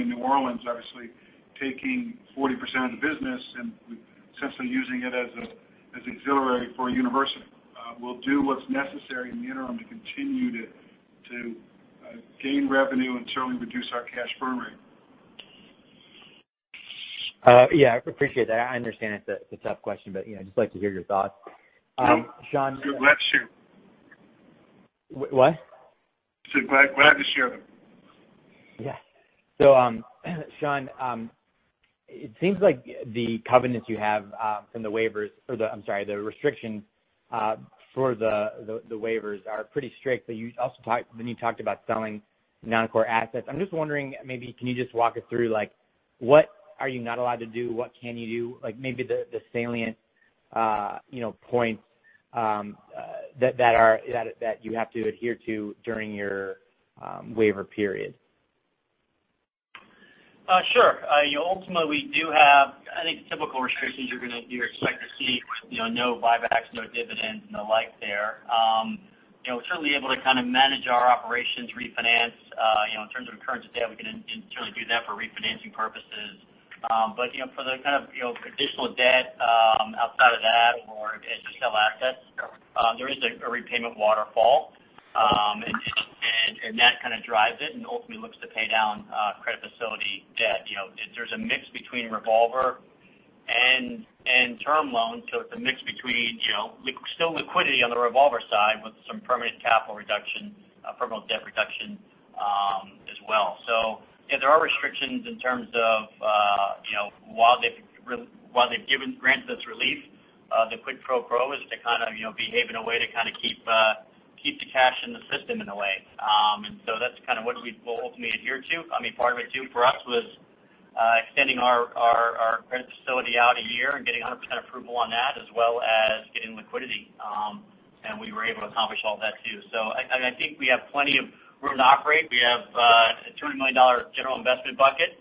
[SPEAKER 3] in New Orleans, obviously, taking 40% of the business and essentially using it as auxiliary for a university. We'll do what's necessary in the interim to continue to gain revenue and certainly reduce our cash burn rate.
[SPEAKER 10] Yeah, I appreciate that. I understand it's a tough question, but I'd just like to hear your thoughts.
[SPEAKER 3] Glad to share.
[SPEAKER 10] What?
[SPEAKER 3] I said glad to share.
[SPEAKER 10] Sean, it seems like the covenants you have from the waivers or the, I'm sorry, the restrictions for the waivers are pretty strict. You talked about selling non-core assets. I'm just wondering, maybe can you just walk us through what are you not allowed to do, what can you do, maybe the salient points that you have to adhere to during your waiver period?
[SPEAKER 4] Sure. Ultimately, we do have, I think, typical restrictions you're going to expect to see with no buybacks, no dividends, and the like there. We're certainly able to manage our operations, refinance. In terms of current debt, we can certainly do that for refinancing purposes. For the kind of additional debt outside of that or just sell assets, there is a repayment waterfall. That kind of drives it and ultimately looks to pay down credit facility debt. There's a mix between revolver and term loans, so it's a mix between still liquidity on the revolver side with some permanent capital reduction, permanent debt reduction as well. There are restrictions in terms of while they've granted us relief, the quid pro quo is to behave in a way to keep the cash in the system in a way. That's what we'll ultimately adhere to. Part of it too, for us, was extending our credit facility out a year and getting 100% approval on that, as well as getting liquidity. We were able to accomplish all that, too. I think we have plenty of room to operate. We have a $200 million general investment bucket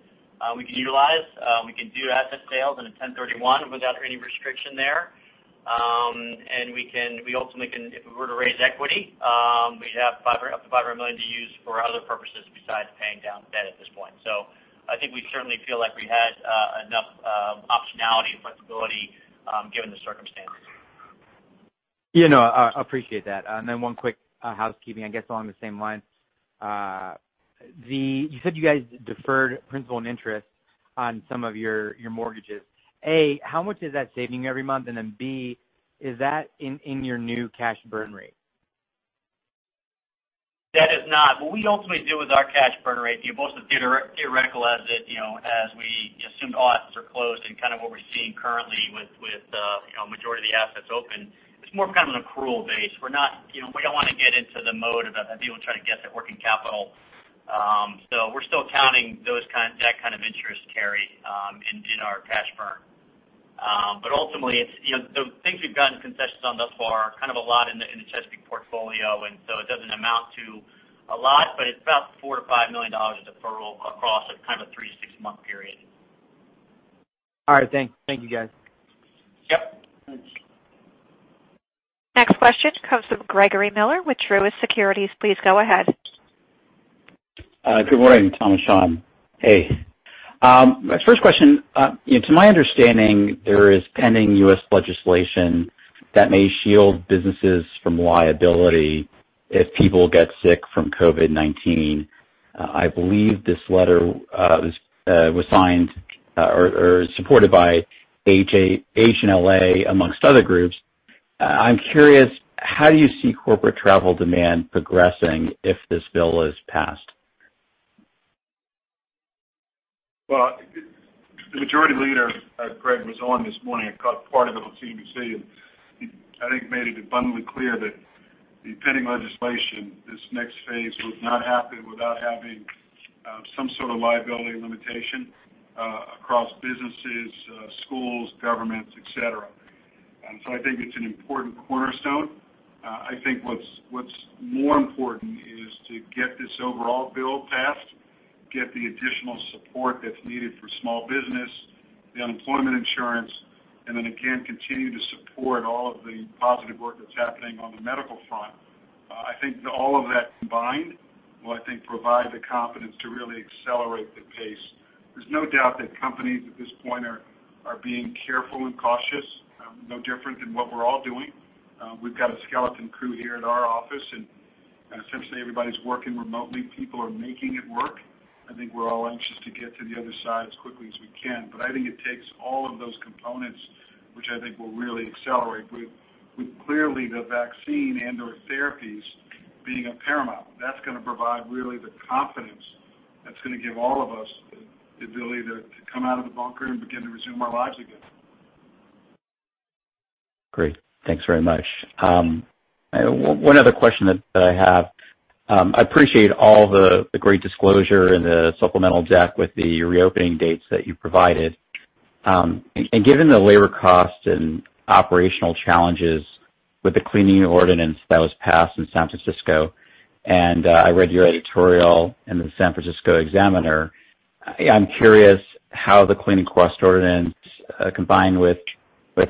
[SPEAKER 4] we can utilize. We can do asset sales under 1031 without any restriction there. We ultimately can, if we were to raise equity, we'd have up to $500 million to use for other purposes besides paying down debt at this point. I think we certainly feel like we had enough optionality and flexibility given the circumstances.
[SPEAKER 10] Yeah, no, I appreciate that. One quick housekeeping, I guess along the same lines. You said you guys deferred principal and interest on some of your mortgages. A, how much is that saving you every month? B, is that in your new cash burn rate?
[SPEAKER 4] That is not what we ultimately do with our cash burn rate, both the theoretical as we assumed all assets are closed and kind of what we're seeing currently with the majority assets open. It's more of an accrual base. We don't want to get into the mode of people trying to guess at working capital. We're still counting that kind of interest carry in our cash burn. Ultimately, the things we've gotten concessions on thus far are a lot in the Chesapeake portfolio, it doesn't amount to a lot, but it's about $4 million-$5 million of deferral across a three to six-month period.
[SPEAKER 10] All right. Thank you, guys.
[SPEAKER 4] Yep.
[SPEAKER 3] Thanks.
[SPEAKER 1] Next question comes from Gregory Miller with Truist Securities. Please go ahead.
[SPEAKER 11] Good morning, Tom and Sean. Hey. My first question, to my understanding, there is pending U.S. legislation that may shield businesses from liability if people get sick from COVID-19. I believe this letter was signed or is supported by AHLA, amongst other groups. I'm curious, how do you see corporate travel demand progressing if this bill is passed?
[SPEAKER 3] Well, the majority leader, Greg, was on this morning. I caught part of it on CNBC, he, I think, made it abundantly clear that the pending legislation, this next phase, will not happen without having some sort of liability limitation across businesses, schools, governments, et cetera. I think it's an important cornerstone. I think what's more important is to get this overall bill passed, get the additional support that's needed for small business, the unemployment insurance, then again, continue to support all of the positive work that's happening on the medical front. I think all of that combined will, I think, provide the confidence to really accelerate the pace. There's no doubt that companies at this point are being careful and cautious. No different than what we're all doing. We've got a skeleton crew here at our office, essentially everybody's working remotely. People are making it work. I think we're all anxious to get to the other side as quickly as we can. I think it takes all of those components, which I think will really accelerate with clearly the vaccine and/or therapies being of paramount. That's going to provide really the confidence that's going to give all of us the ability to come out of the bunker and begin to resume our lives again.
[SPEAKER 11] Great. Thanks very much. One other question that I have. I appreciate all the great disclosure and the supplemental deck with the reopening dates that you provided. Given the labor cost and operational challenges with the cleaning ordinance that was passed in San Francisco, and I read your editorial in the San Francisco Examiner, I'm curious how the cleaning cost ordinance combined with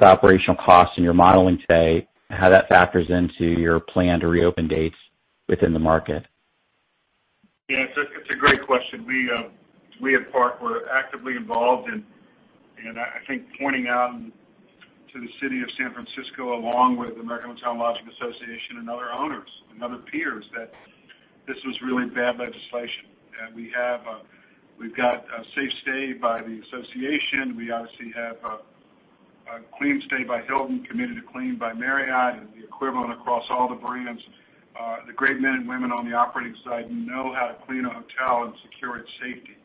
[SPEAKER 11] operational costs in your modeling today, how that factors into your plan to reopen dates within the market.
[SPEAKER 3] Yeah. It's a great question. We at Park were actively involved in, I think, pointing out to the City of San Francisco, along with the American Hotel & Lodging Association and other owners and other peers, that this was really bad legislation. We've got a Safe Stay by the association. We obviously have a Hilton CleanStay by Hilton, Commitment to Clean by Marriott, and the equivalent across all the brands. The great men and women on the operating side know how to clean a hotel and secure its safety.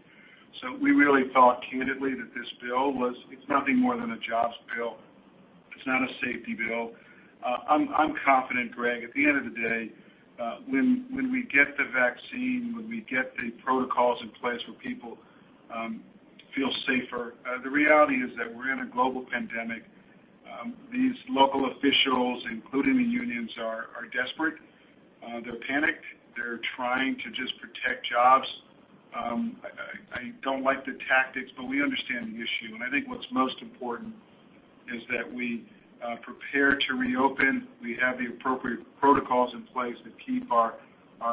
[SPEAKER 3] We really felt candidly that this bill was nothing more than a jobs bill. It's not a safety bill. I'm confident, Greg, at the end of the day, when we get the vaccine, when we get the protocols in place where people feel safer, the reality is that we're in a global pandemic. These local officials, including the unions, are desperate. They're panicked. They're trying to just protect jobs. I don't like the tactics, but we understand the issue, and I think what's most important is that we prepare to reopen. We have the appropriate protocols in place to keep our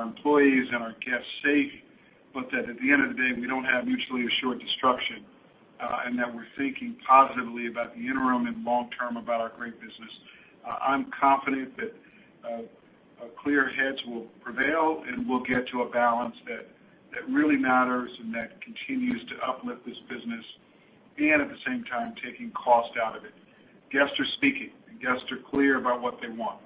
[SPEAKER 3] employees and our guests safe, but that at the end of the day, we don't have mutually assured destruction, and that we're thinking positively about the interim and long term about our great business. I'm confident that clear heads will prevail, and we'll get to a balance that really matters and that continues to uplift this business and at the same time, taking cost out of it. Guests are speaking, and guests are clear about what they want.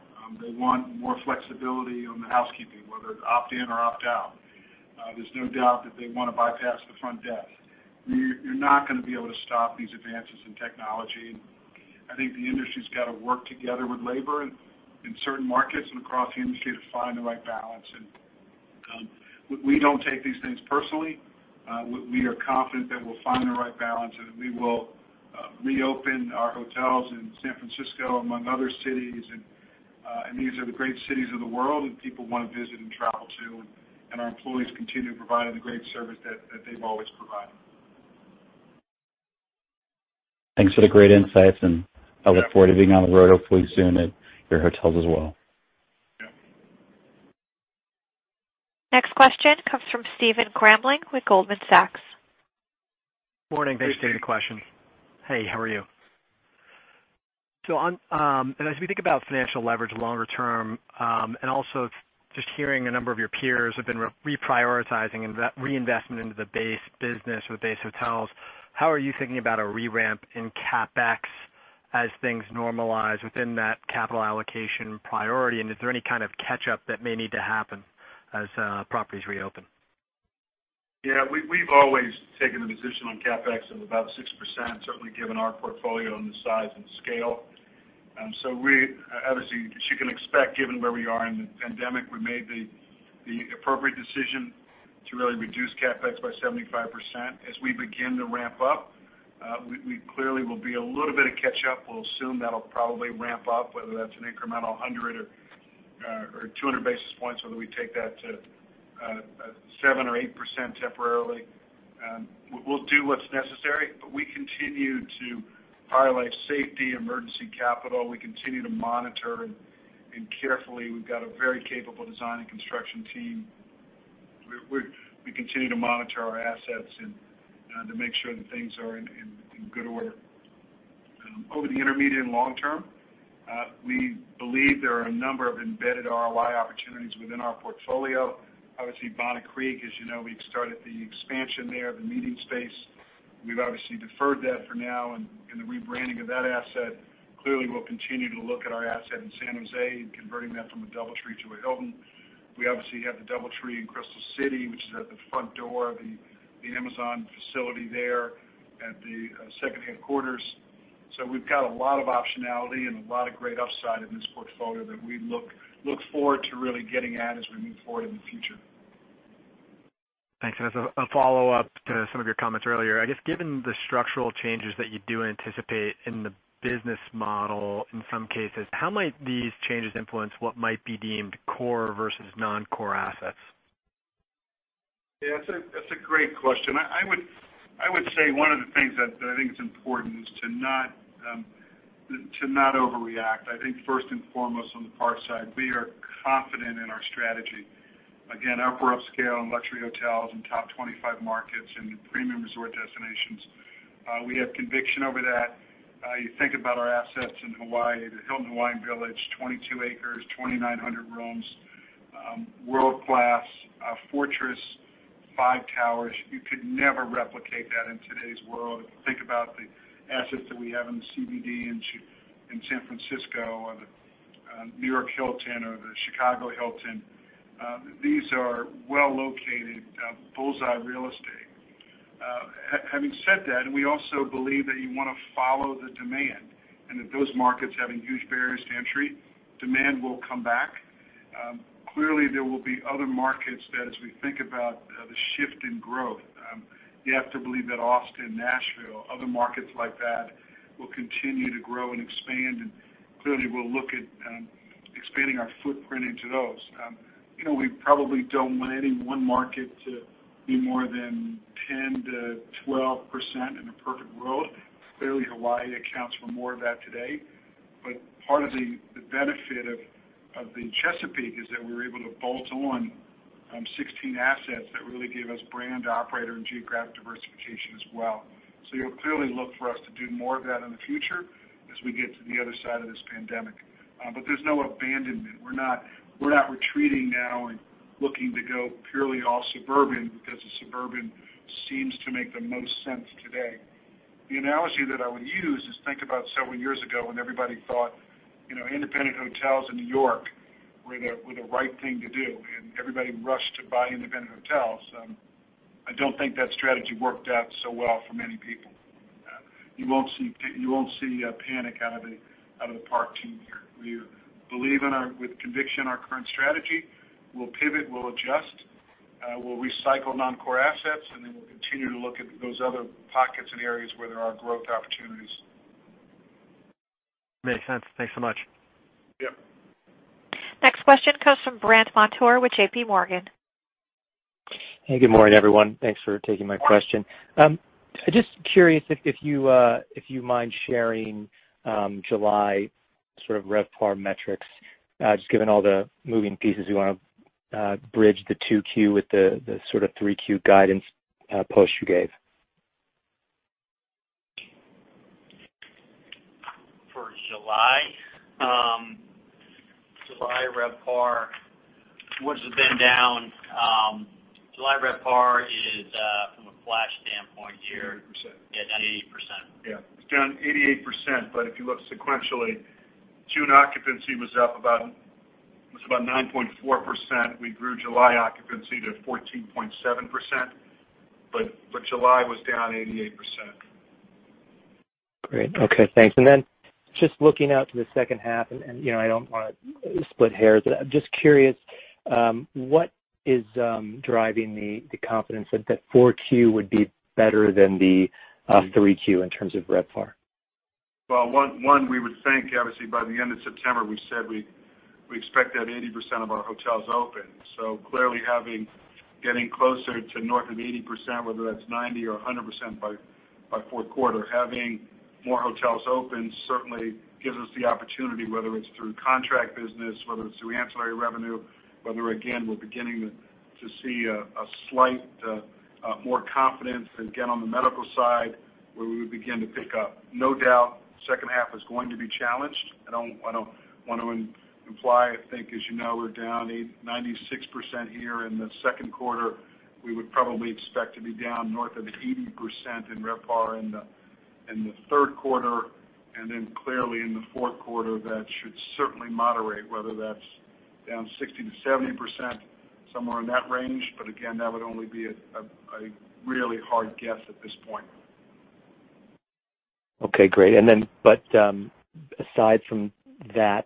[SPEAKER 3] They want more flexibility on the housekeeping, whether it's opt in or opt out. There's no doubt that they want to bypass the front desk. You're not going to be able to stop these advances in technology. I think the industry's got to work together with labor in certain markets and across the industry to find the right balance. We don't take these things personally. We are confident that we'll find the right balance. We will reopen our hotels in San Francisco, among other cities. These are the great cities of the world that people want to visit and travel to. Our employees continue providing the great service that they've always provided.
[SPEAKER 11] Thanks for the great insights, and I look forward to being on the road hopefully soon at your hotels as well.
[SPEAKER 3] Yeah.
[SPEAKER 1] Next question comes from Stephen Grambling with Goldman Sachs.
[SPEAKER 12] Morning. Thanks for taking the question. Hey, how are you? As we think about financial leverage longer term, just hearing a number of your peers have been reprioritizing reinvestment into the base business with base hotels, how are you thinking about a re-ramp in CapEx as things normalize within that capital allocation priority? Is there any kind of catch-up that may need to happen as properties reopen?
[SPEAKER 3] Yeah. We've always taken the position on CapEx of about 6%, certainly given our portfolio and the size and scale. Obviously, as you can expect, given where we are in the pandemic, we made the appropriate decision to really reduce CapEx by 75%. As we begin to ramp up, we clearly will be a little bit of catch up. We'll assume that'll probably ramp up, whether that's an incremental 100 or 200 basis points, whether we take that to 7% or 8% temporarily. We'll do what's necessary. We continue to prioritize safety, emergency capital. We continue to monitor, and carefully, we've got a very capable design and construction team. We continue to monitor our assets and to make sure that things are in good order. Over the intermediate and long term, we believe there are a number of embedded ROI opportunities within our portfolio. Obviously, Bonnet Creek, as you know, we've started the expansion there, the meeting space. We've obviously deferred that for now and the rebranding of that asset. Clearly, we'll continue to look at our asset in San Jose and converting that from a DoubleTree to a Hilton. We obviously have the DoubleTree in Crystal City, which is at the front door of the Amazon facility there at the second headquarters. We've got a lot of optionality and a lot of great upside in this portfolio that we look forward to really getting at as we move forward in the future.
[SPEAKER 12] Thanks. As a follow-up to some of your comments earlier, I guess, given the structural changes that you do anticipate in the business model, in some cases, how might these changes influence what might be deemed core versus non-core assets?
[SPEAKER 3] Yeah. That's a great question. I would say one of the things that I think is important is to not overreact. I think first and foremost on the Park side, we are confident in our strategy. Again, upper upscale and luxury hotels in top 25 markets and premium resort destinations. We have conviction over that. You think about our assets in Hawaii, the Hilton Hawaiian Village, 22 acres, 2,900 rooms, world-class, a fortress, five towers. You could never replicate that in today's world. If you think about the assets that we have in the CBD in San Francisco or the New York Hilton or the Hilton Chicago, these are well-located, bullseye real estate. Having said that, we also believe that you want to follow the demand, and that those markets having huge barriers to entry, demand will come back. Clearly, there will be other markets that as we think about the shift in growth, you have to believe that Austin, Nashville, other markets like that will continue to grow and expand. Clearly, we'll look at expanding our footprint into those. We probably don't want any one market to be more than 10%-12% in a perfect world. Clearly, Hawaii accounts for more of that today. Part of the benefit of the Chesapeake is that we were able to bolt on 16 assets that really gave us brand operator and geographic diversification as well. You'll clearly look for us to do more of that in the future as we get to the other side of this pandemic. There's no abandonment. We're not retreating now and looking to go purely all suburban because the suburban seems to make the most sense today. The analogy that I would use is think about several years ago when everybody thought independent hotels in New York were the right thing to do, and everybody rushed to buy independent hotels. I don't think that strategy worked out so well for many people. You won't see panic out of the Park team here. We believe with conviction our current strategy. We'll pivot, we'll adjust, we'll recycle non-core assets, and then we'll continue to look at those other pockets and areas where there are growth opportunities.
[SPEAKER 12] Makes sense. Thanks so much.
[SPEAKER 3] Yep.
[SPEAKER 1] Next question comes from Brandt Montour with JPMorgan.
[SPEAKER 13] Hey, good morning, everyone. Thanks for taking my question. Just curious if you mind sharing July sort of RevPAR metrics, just given all the moving pieces you want to bridge the 2Q with the sort of 3Q guidance post you gave.
[SPEAKER 4] For July RevPAR was been down. July RevPAR is, from a flash standpoint here.
[SPEAKER 3] 88%.
[SPEAKER 4] Yeah, down 88%.
[SPEAKER 3] Yeah. It's down 88%, but if you look sequentially, June occupancy was up about 9.4%. We grew July occupancy to 14.7%, but July was down 88%.
[SPEAKER 13] Great. Okay, thanks. Then just looking out to the second half, and I don't want to split hairs, but I'm just curious, what is driving the confidence that 4Q would be better than the 3Q in terms of RevPAR?
[SPEAKER 3] Well, one, we would think, obviously, by the end of September, we said we expect to have 80% of our hotels open. Clearly getting closer to north of 80%, whether that's 90% or 100% by fourth quarter, having more hotels open certainly gives us the opportunity, whether it's through contract business, whether it's through ancillary revenue, whether again, we're beginning to see a slight more confidence again on the medical side, where we would begin to pick up. No doubt, second half is going to be challenged. I don't want to imply, I think as you know, we're down 96% here in the second quarter. We would probably expect to be down north of 80% in RevPAR in the third quarter, clearly in the fourth quarter, that should certainly moderate, whether that's down 60%-70%, somewhere in that range. Again, that would only be a really hard guess at this point.
[SPEAKER 13] Okay, great. Aside from that,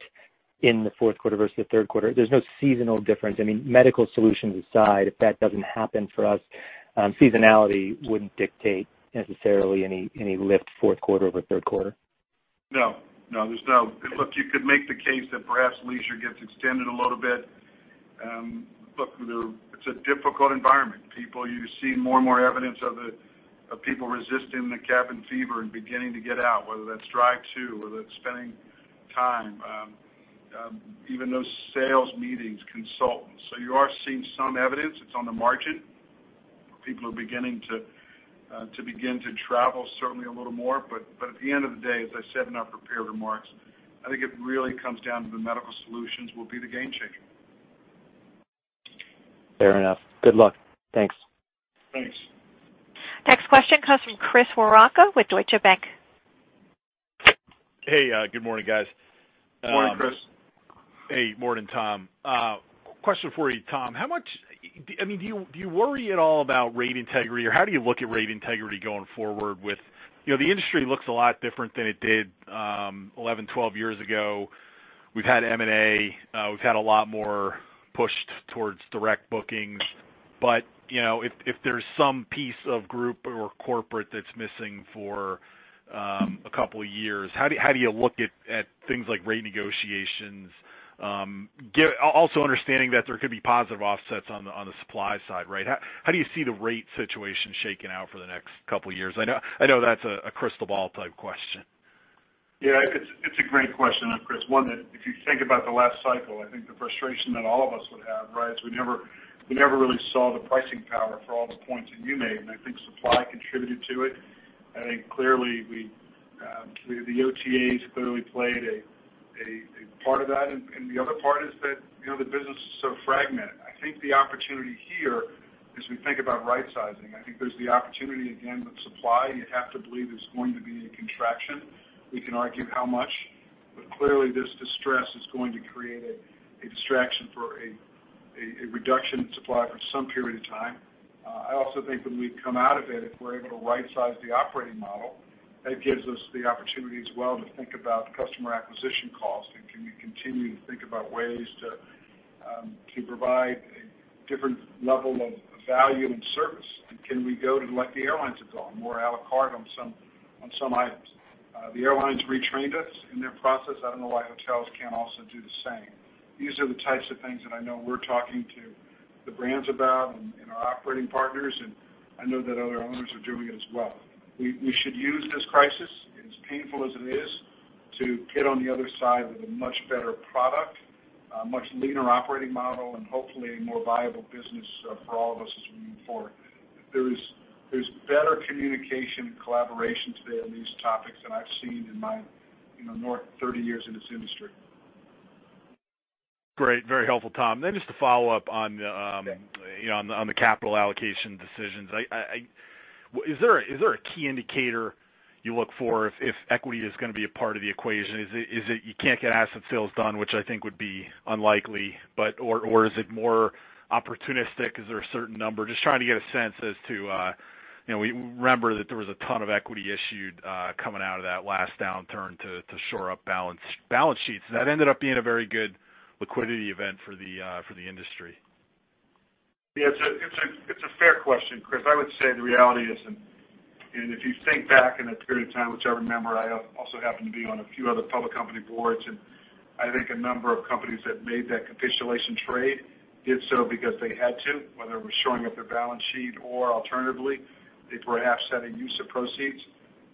[SPEAKER 13] in the fourth quarter versus the third quarter, there's no seasonal difference. Medical solutions aside, if that doesn't happen for us, seasonality wouldn't dictate necessarily any lift fourth quarter over third quarter.
[SPEAKER 3] No. Look, you could make the case that perhaps leisure gets extended a little bit. Look, it's a difficult environment. You see more and more evidence of people resisting the cabin fever and beginning to get out, whether that's drive to, whether that's spending time, even those sales meetings, consultants. You are seeing some evidence, it's on the margin, where people are beginning to travel certainly a little more. At the end of the day, as I said in our prepared remarks, I think it really comes down to the medical solutions will be the game changer.
[SPEAKER 13] Fair enough. Good luck. Thanks.
[SPEAKER 3] Thanks.
[SPEAKER 1] Next question comes from Chris Woronka with Deutsche Bank.
[SPEAKER 14] Hey, good morning, guys.
[SPEAKER 3] Morning, Chris.
[SPEAKER 14] Hey. Morning, Tom. Question for you, Tom. Do you worry at all about rate integrity, or how do you look at rate integrity going forward? The industry looks a lot different than it did 11, 12 years ago. We've had M&A, we've had a lot more push towards direct bookings. If there's some piece of group or corporate that's missing for a couple of years, how do you look at things like rate negotiations? Also understanding that there could be positive offsets on the supply side, right? How do you see the rate situation shaking out for the next couple of years? I know that's a crystal ball type question.
[SPEAKER 3] Yeah, it's a great question, Chris. One that if you think about the last cycle, I think the frustration that all of us would have, right, is we never really saw the pricing power for all the points that you made, and I think supply contributed to it. I think the OTAs clearly played a part of that, and the other part is that the business is so fragmented. I think the opportunity here, as we think about rightsizing, I think there's the opportunity again with supply, you have to believe there's going to be a contraction. We can argue how much, but clearly this distress is going to create a distraction for a reduction in supply for some period of time. I also think that when we come out of it, if we're able to right size the operating model, that gives us the opportunity as well to think about customer acquisition costs and can we continue to think about ways to provide a different level of value and service, and can we go to what the airlines have gone, more a la carte on some items. The airlines retrained us in their process. I don't know why hotels can't also do the same. These are the types of things that I know we're talking to the brands about and our operating partners, and I know that other owners are doing it as well. We should use this crisis, as painful as it is, to get on the other side with a much better product, a much leaner operating model, and hopefully a more viable business for all of us as we move forward. There's better communication and collaboration today on these topics than I've seen in my 30 years in this industry.
[SPEAKER 14] Great. Very helpful, Tom. Just to follow up on the capital allocation decisions, is there a key indicator you look for if equity is going to be a part of the equation? Is it you can't get asset sales done, which I think would be unlikely, or is it more opportunistic? Is there a certain number? We remember that there was a ton of equity issued coming out of that last downturn to shore up balance sheets. That ended up being a very good liquidity event for the industry.
[SPEAKER 3] Yeah. It's a fair question, Chris. I would say the reality is, if you think back in a period of time, which I remember I also happened to be on a few other public company boards, and I think a number of companies that made that capitulation trade did so because they had to, whether it was shoring up their balance sheet or alternatively, they perhaps had a use of proceeds.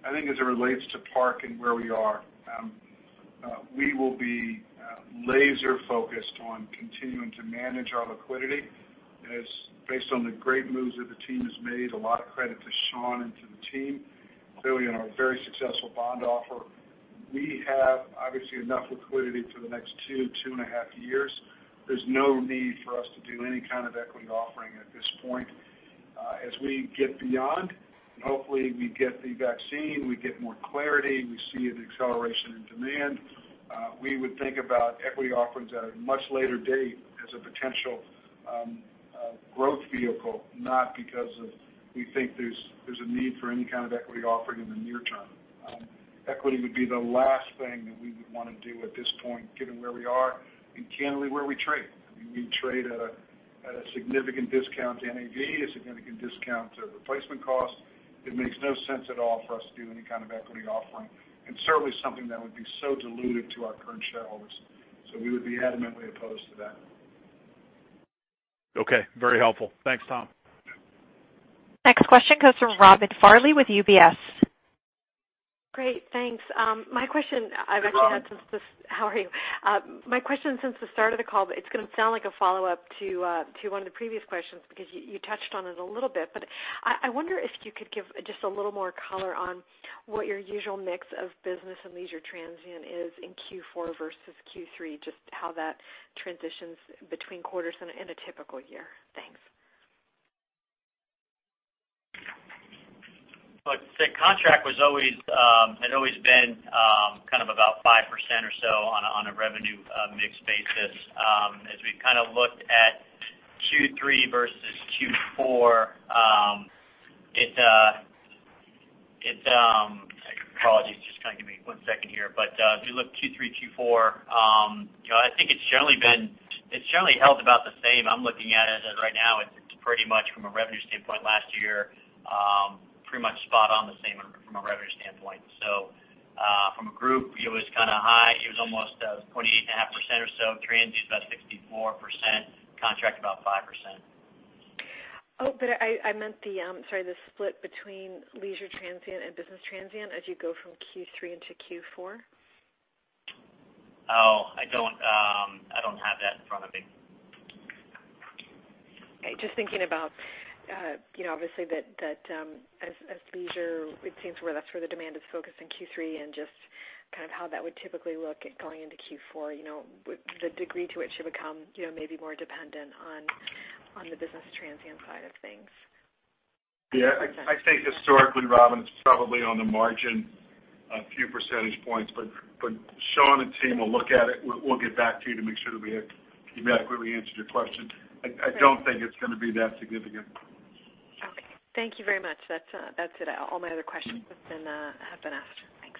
[SPEAKER 3] I think as it relates to Park and where we are, we will be laser focused on continuing to manage our liquidity as based on the great moves that the team has made, a lot of credit to Sean and to the team. Clearly on our very successful bond offer, we have obviously enough liquidity for the next two and a half years. There's no need for us to do any kind of equity offering at this point. Hopefully we get the vaccine, we get more clarity, we see an acceleration in demand, we would think about equity offerings at a much later date as a potential growth vehicle, not because of we think there's a need for any kind of equity offering in the near term. Equity would be the last thing that we would want to do at this point, given where we are and candidly where we trade. We trade at a significant discount to NAV, a significant discount to replacement costs. It makes no sense at all for us to do any kind of equity offering, certainly something that would be so dilutive to our current shareholders. We would be adamantly opposed to that.
[SPEAKER 14] Okay. Very helpful. Thanks, Tom.
[SPEAKER 1] Next question comes from Robin Farley with UBS.
[SPEAKER 15] Great. Thanks. My question I've actually had since this-
[SPEAKER 3] Hi, Robin.
[SPEAKER 15] How are you? My question since the start of the call, but it's going to sound like a follow-up to one of the previous questions because you touched on it a little bit, but I wonder if you could give just a little more color on what your usual mix of business and leisure transient is in Q4 versus Q3, just how that transitions between quarters in a typical year. Thanks.
[SPEAKER 4] It's always been about 5% or so on a revenue mix basis. As we've looked at Q3 versus Q4 Apologies, just give me one second here. If you look Q3, Q4, I think it's generally held about the same. I'm looking at it as right now, it's pretty much from a revenue standpoint last year pretty much spot on the same from a revenue standpoint. From a group, it was kind of high. It was almost 28.5% or so, transient's about 64%, contract about 5%.
[SPEAKER 15] I meant the, sorry, the split between leisure transient and business transient as you go from Q3 into Q4.
[SPEAKER 4] Oh, I don't have that in front of me.
[SPEAKER 15] Okay. Just thinking about obviously that as leisure, it seems where the demand is focused in Q3 and just how that would typically look at going into Q4, with the degree to which it become maybe more dependent on the business transient side of things.
[SPEAKER 3] Yeah. I think historically, Robin, it's probably on the margin a few percentage points, but Sean and team will look at it. We'll get back to you to make sure that we adequately answered your question. I don't think it's going to be that significant.
[SPEAKER 15] Okay. Thank you very much. That's it. All my other questions have been asked. Thanks.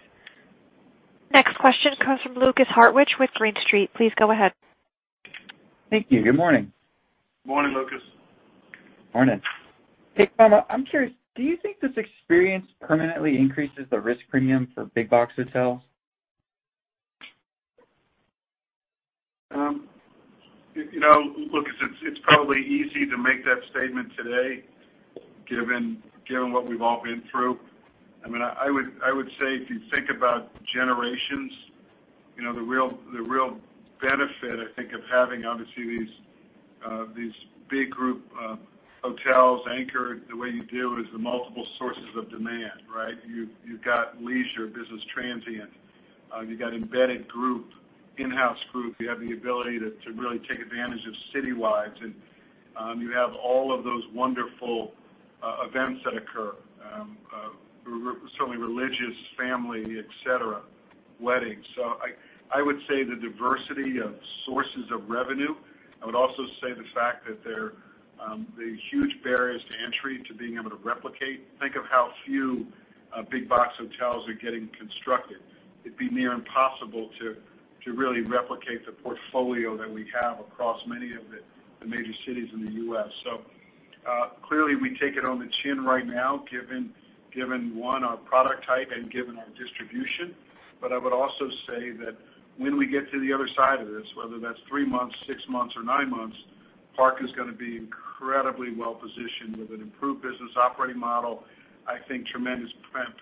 [SPEAKER 1] Next question comes from Lukas Hartwich with Green Street. Please go ahead.
[SPEAKER 16] Thank you. Good morning.
[SPEAKER 3] Morning, Lukas.
[SPEAKER 16] Morning. Hey, Tom, I'm curious, do you think this experience permanently increases the risk premium for big box hotels?
[SPEAKER 3] Lukas, it's probably easy to make that statement today, given what we've all been through. I would say if you think about generations, the real benefit I think of having, obviously, these big group hotels anchored the way you do is the multiple sources of demand, right? You've got leisure, business transient, you've got embedded group, in-house group. You have the ability to really take advantage of citywides, you have all of those wonderful events that occur. Certainly religious, family, et cetera, weddings. I would say the diversity of sources of revenue. I would also say the fact that the huge barriers to entry to being able to replicate. Think of how few big box hotels are getting constructed. It'd be near impossible to really replicate the portfolio that we have across many of the major cities in the U.S. Clearly we take it on the chin right now, given, one, our product type and given our distribution. I would also say that when we get to the other side of this, whether that's three months, six months, or nine months, Park is going to be incredibly well-positioned with an improved business operating model, I think tremendous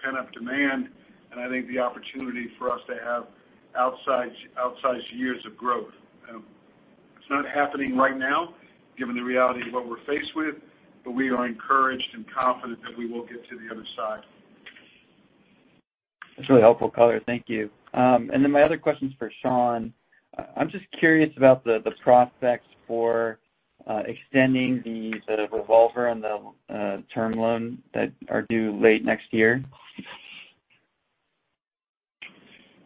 [SPEAKER 3] pent-up demand, and I think the opportunity for us to have outsized years of growth. It's not happening right now given the reality of what we're faced with, but we are encouraged and confident that we will get to the other side.
[SPEAKER 16] That's really helpful, color. Thank you. My other question's for Sean. I'm just curious about the prospects for extending the revolver and the term loan that are due late next year.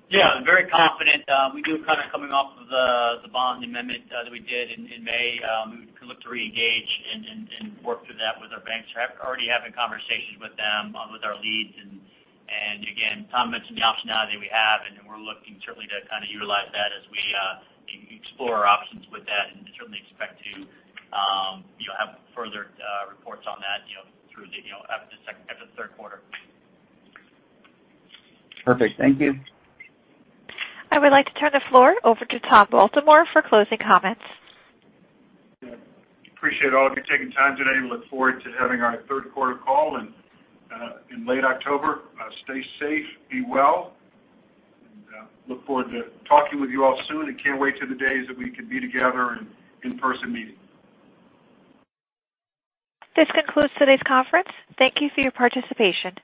[SPEAKER 4] Yeah, very confident. We feel coming off of the bond amendment that we did in May, we can look to reengage and work through that with our banks. Already having conversations with them, with our leads and, again, Tom mentioned the optionality we have, and we're looking certainly to utilize that as we explore our options with that and certainly expect to have further reports on that after the third quarter.
[SPEAKER 16] Perfect. Thank you.
[SPEAKER 1] I would like to turn the floor over to Tom Baltimore for closing comments.
[SPEAKER 3] Appreciate all of you taking time today. Look forward to having our third quarter call in late October. Stay safe, be well, and look forward to talking with you all soon, and can't wait till the days that we can be together and in-person meeting.
[SPEAKER 1] This concludes today's conference. Thank you for your participation.